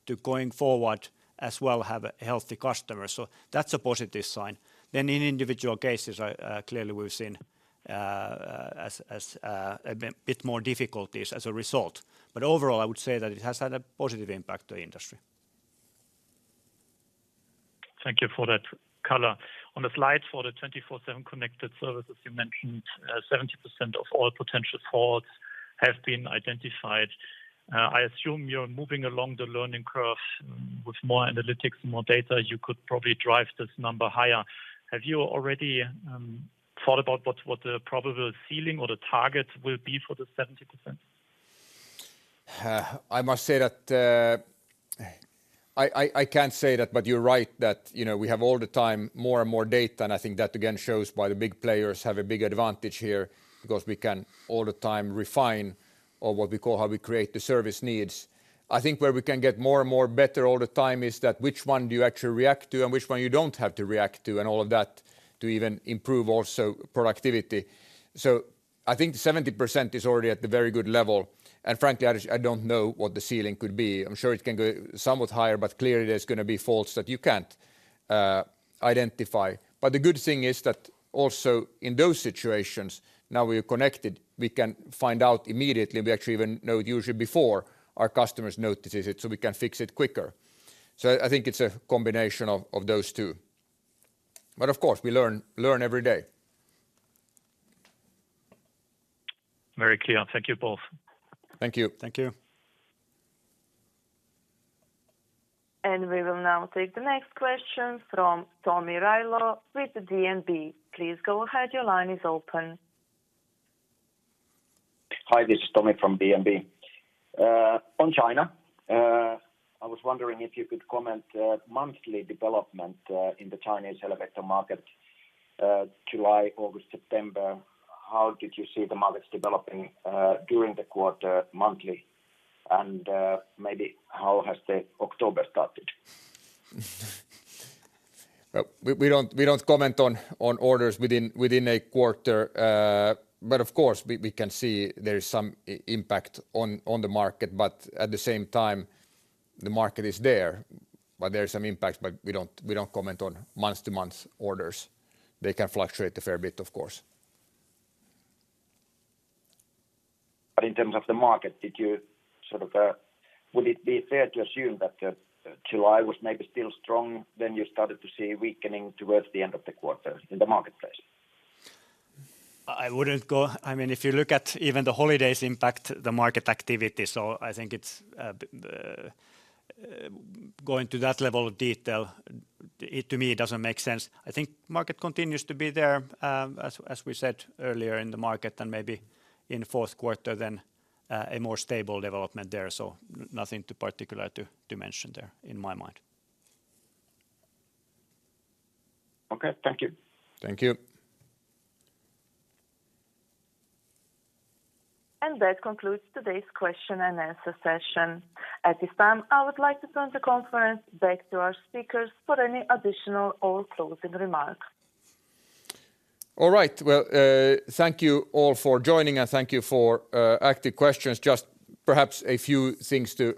to going forward as well, have a healthy customer. That's a positive sign. In individual cases, clearly, we've seen a bit more difficulties as a result. Overall, I would say that it has had a positive impact to industry. Thank you for that color. On the slides for the 24/7 Connected Services, you mentioned 70% of all potential faults have been identified. I assume you're moving along the learning curve with more analytics, more data, you could probably drive this number higher. Have you already thought about what the probable ceiling or the target will be for the 70%? I must say that, I can't say that, but you're right that, you know, we have all the time more and more data, and I think that again shows why the big players have a big advantage here because we can all the time refine or what we call how we create the service needs. I think where we can get more and more better all the time is that which one do you actually react to and which one you don't have to react to, and all of that to even improve also productivity. I think 70% is already at the very good level, and frankly, I just don't know what the ceiling could be. I'm sure it can go somewhat higher, but clearly there's gonna be faults that you can't identify. The good thing is that also in those situations, now we are connected, we can find out immediately. We actually even know usually before our customers notice it, so we can fix it quicker. I think it's a combination of those two. Of course, we learn every day. Very clear. Thank you both. Thank you. Thank you. We will now take the next question from Tomi Railo with DNB. Please go ahead. Your line is open. Hi, this is Tomi from DNB. On China, I was wondering if you could comment on monthly development in the Chinese elevator market. July, August, September, how did you see the markets developing during the quarter monthly? Maybe how has October started? Well, we don't comment on orders within a quarter. Of course, we can see there is some impact on the market. At the same time, the market is there. There is some impact, but we don't comment on month-to-month orders. They can fluctuate a fair bit, of course. In terms of the market, did you sort of, would it be fair to assume that July was maybe still strong, then you started to see weakening towards the end of the quarter in the marketplace? I mean, if you look at even the holidays impact the market activity. I think it's going to that level of detail. It to me doesn't make sense. I think market continues to be there, as we said earlier in the market then maybe in fourth quarter then a more stable development there. Nothing particular to mention there in my mind. Okay. Thank you. Thank you. That concludes today's question and answer session. At this time, I would like to turn the conference back to our speakers for any additional or closing remarks. All right. Well, thank you all for joining, and thank you for active questions. Just perhaps a few things to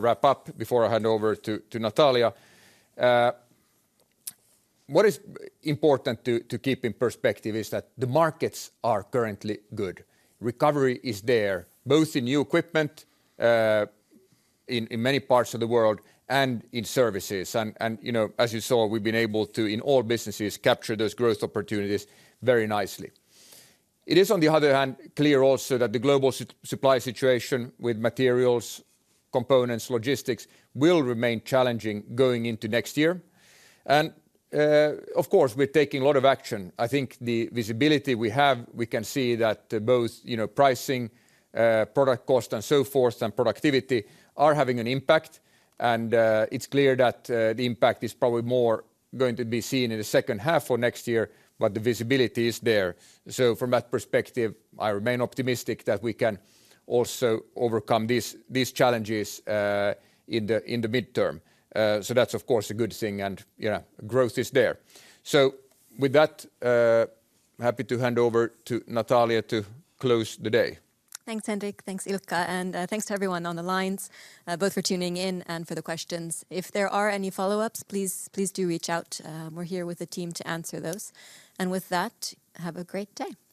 wrap up before I hand over to Natalia. What is important to keep in perspective is that the markets are currently good. Recovery is there, both in new equipment in many parts of the world and in services. You know, as you saw, we've been able to in all businesses capture those growth opportunities very nicely. It is on the other hand clear also that the global supply situation with materials, components, logistics will remain challenging going into next year. Of course, we're taking a lot of action. I think the visibility we have, we can see that both you know pricing product cost and so forth and productivity are having an impact. It's clear that the impact is probably more going to be seen in the second half of next year, but the visibility is there. From that perspective, I remain optimistic that we can also overcome these challenges in the midterm. That's of course a good thing. You know, growth is there. With that, happy to hand over to Natalia to close the day. Thanks, Henrik. Thanks, Ilkka. Thanks to everyone on the lines, both for tuning in and for the questions. If there are any follow-ups, please do reach out. We're here with the team to answer those. With that, have a great day.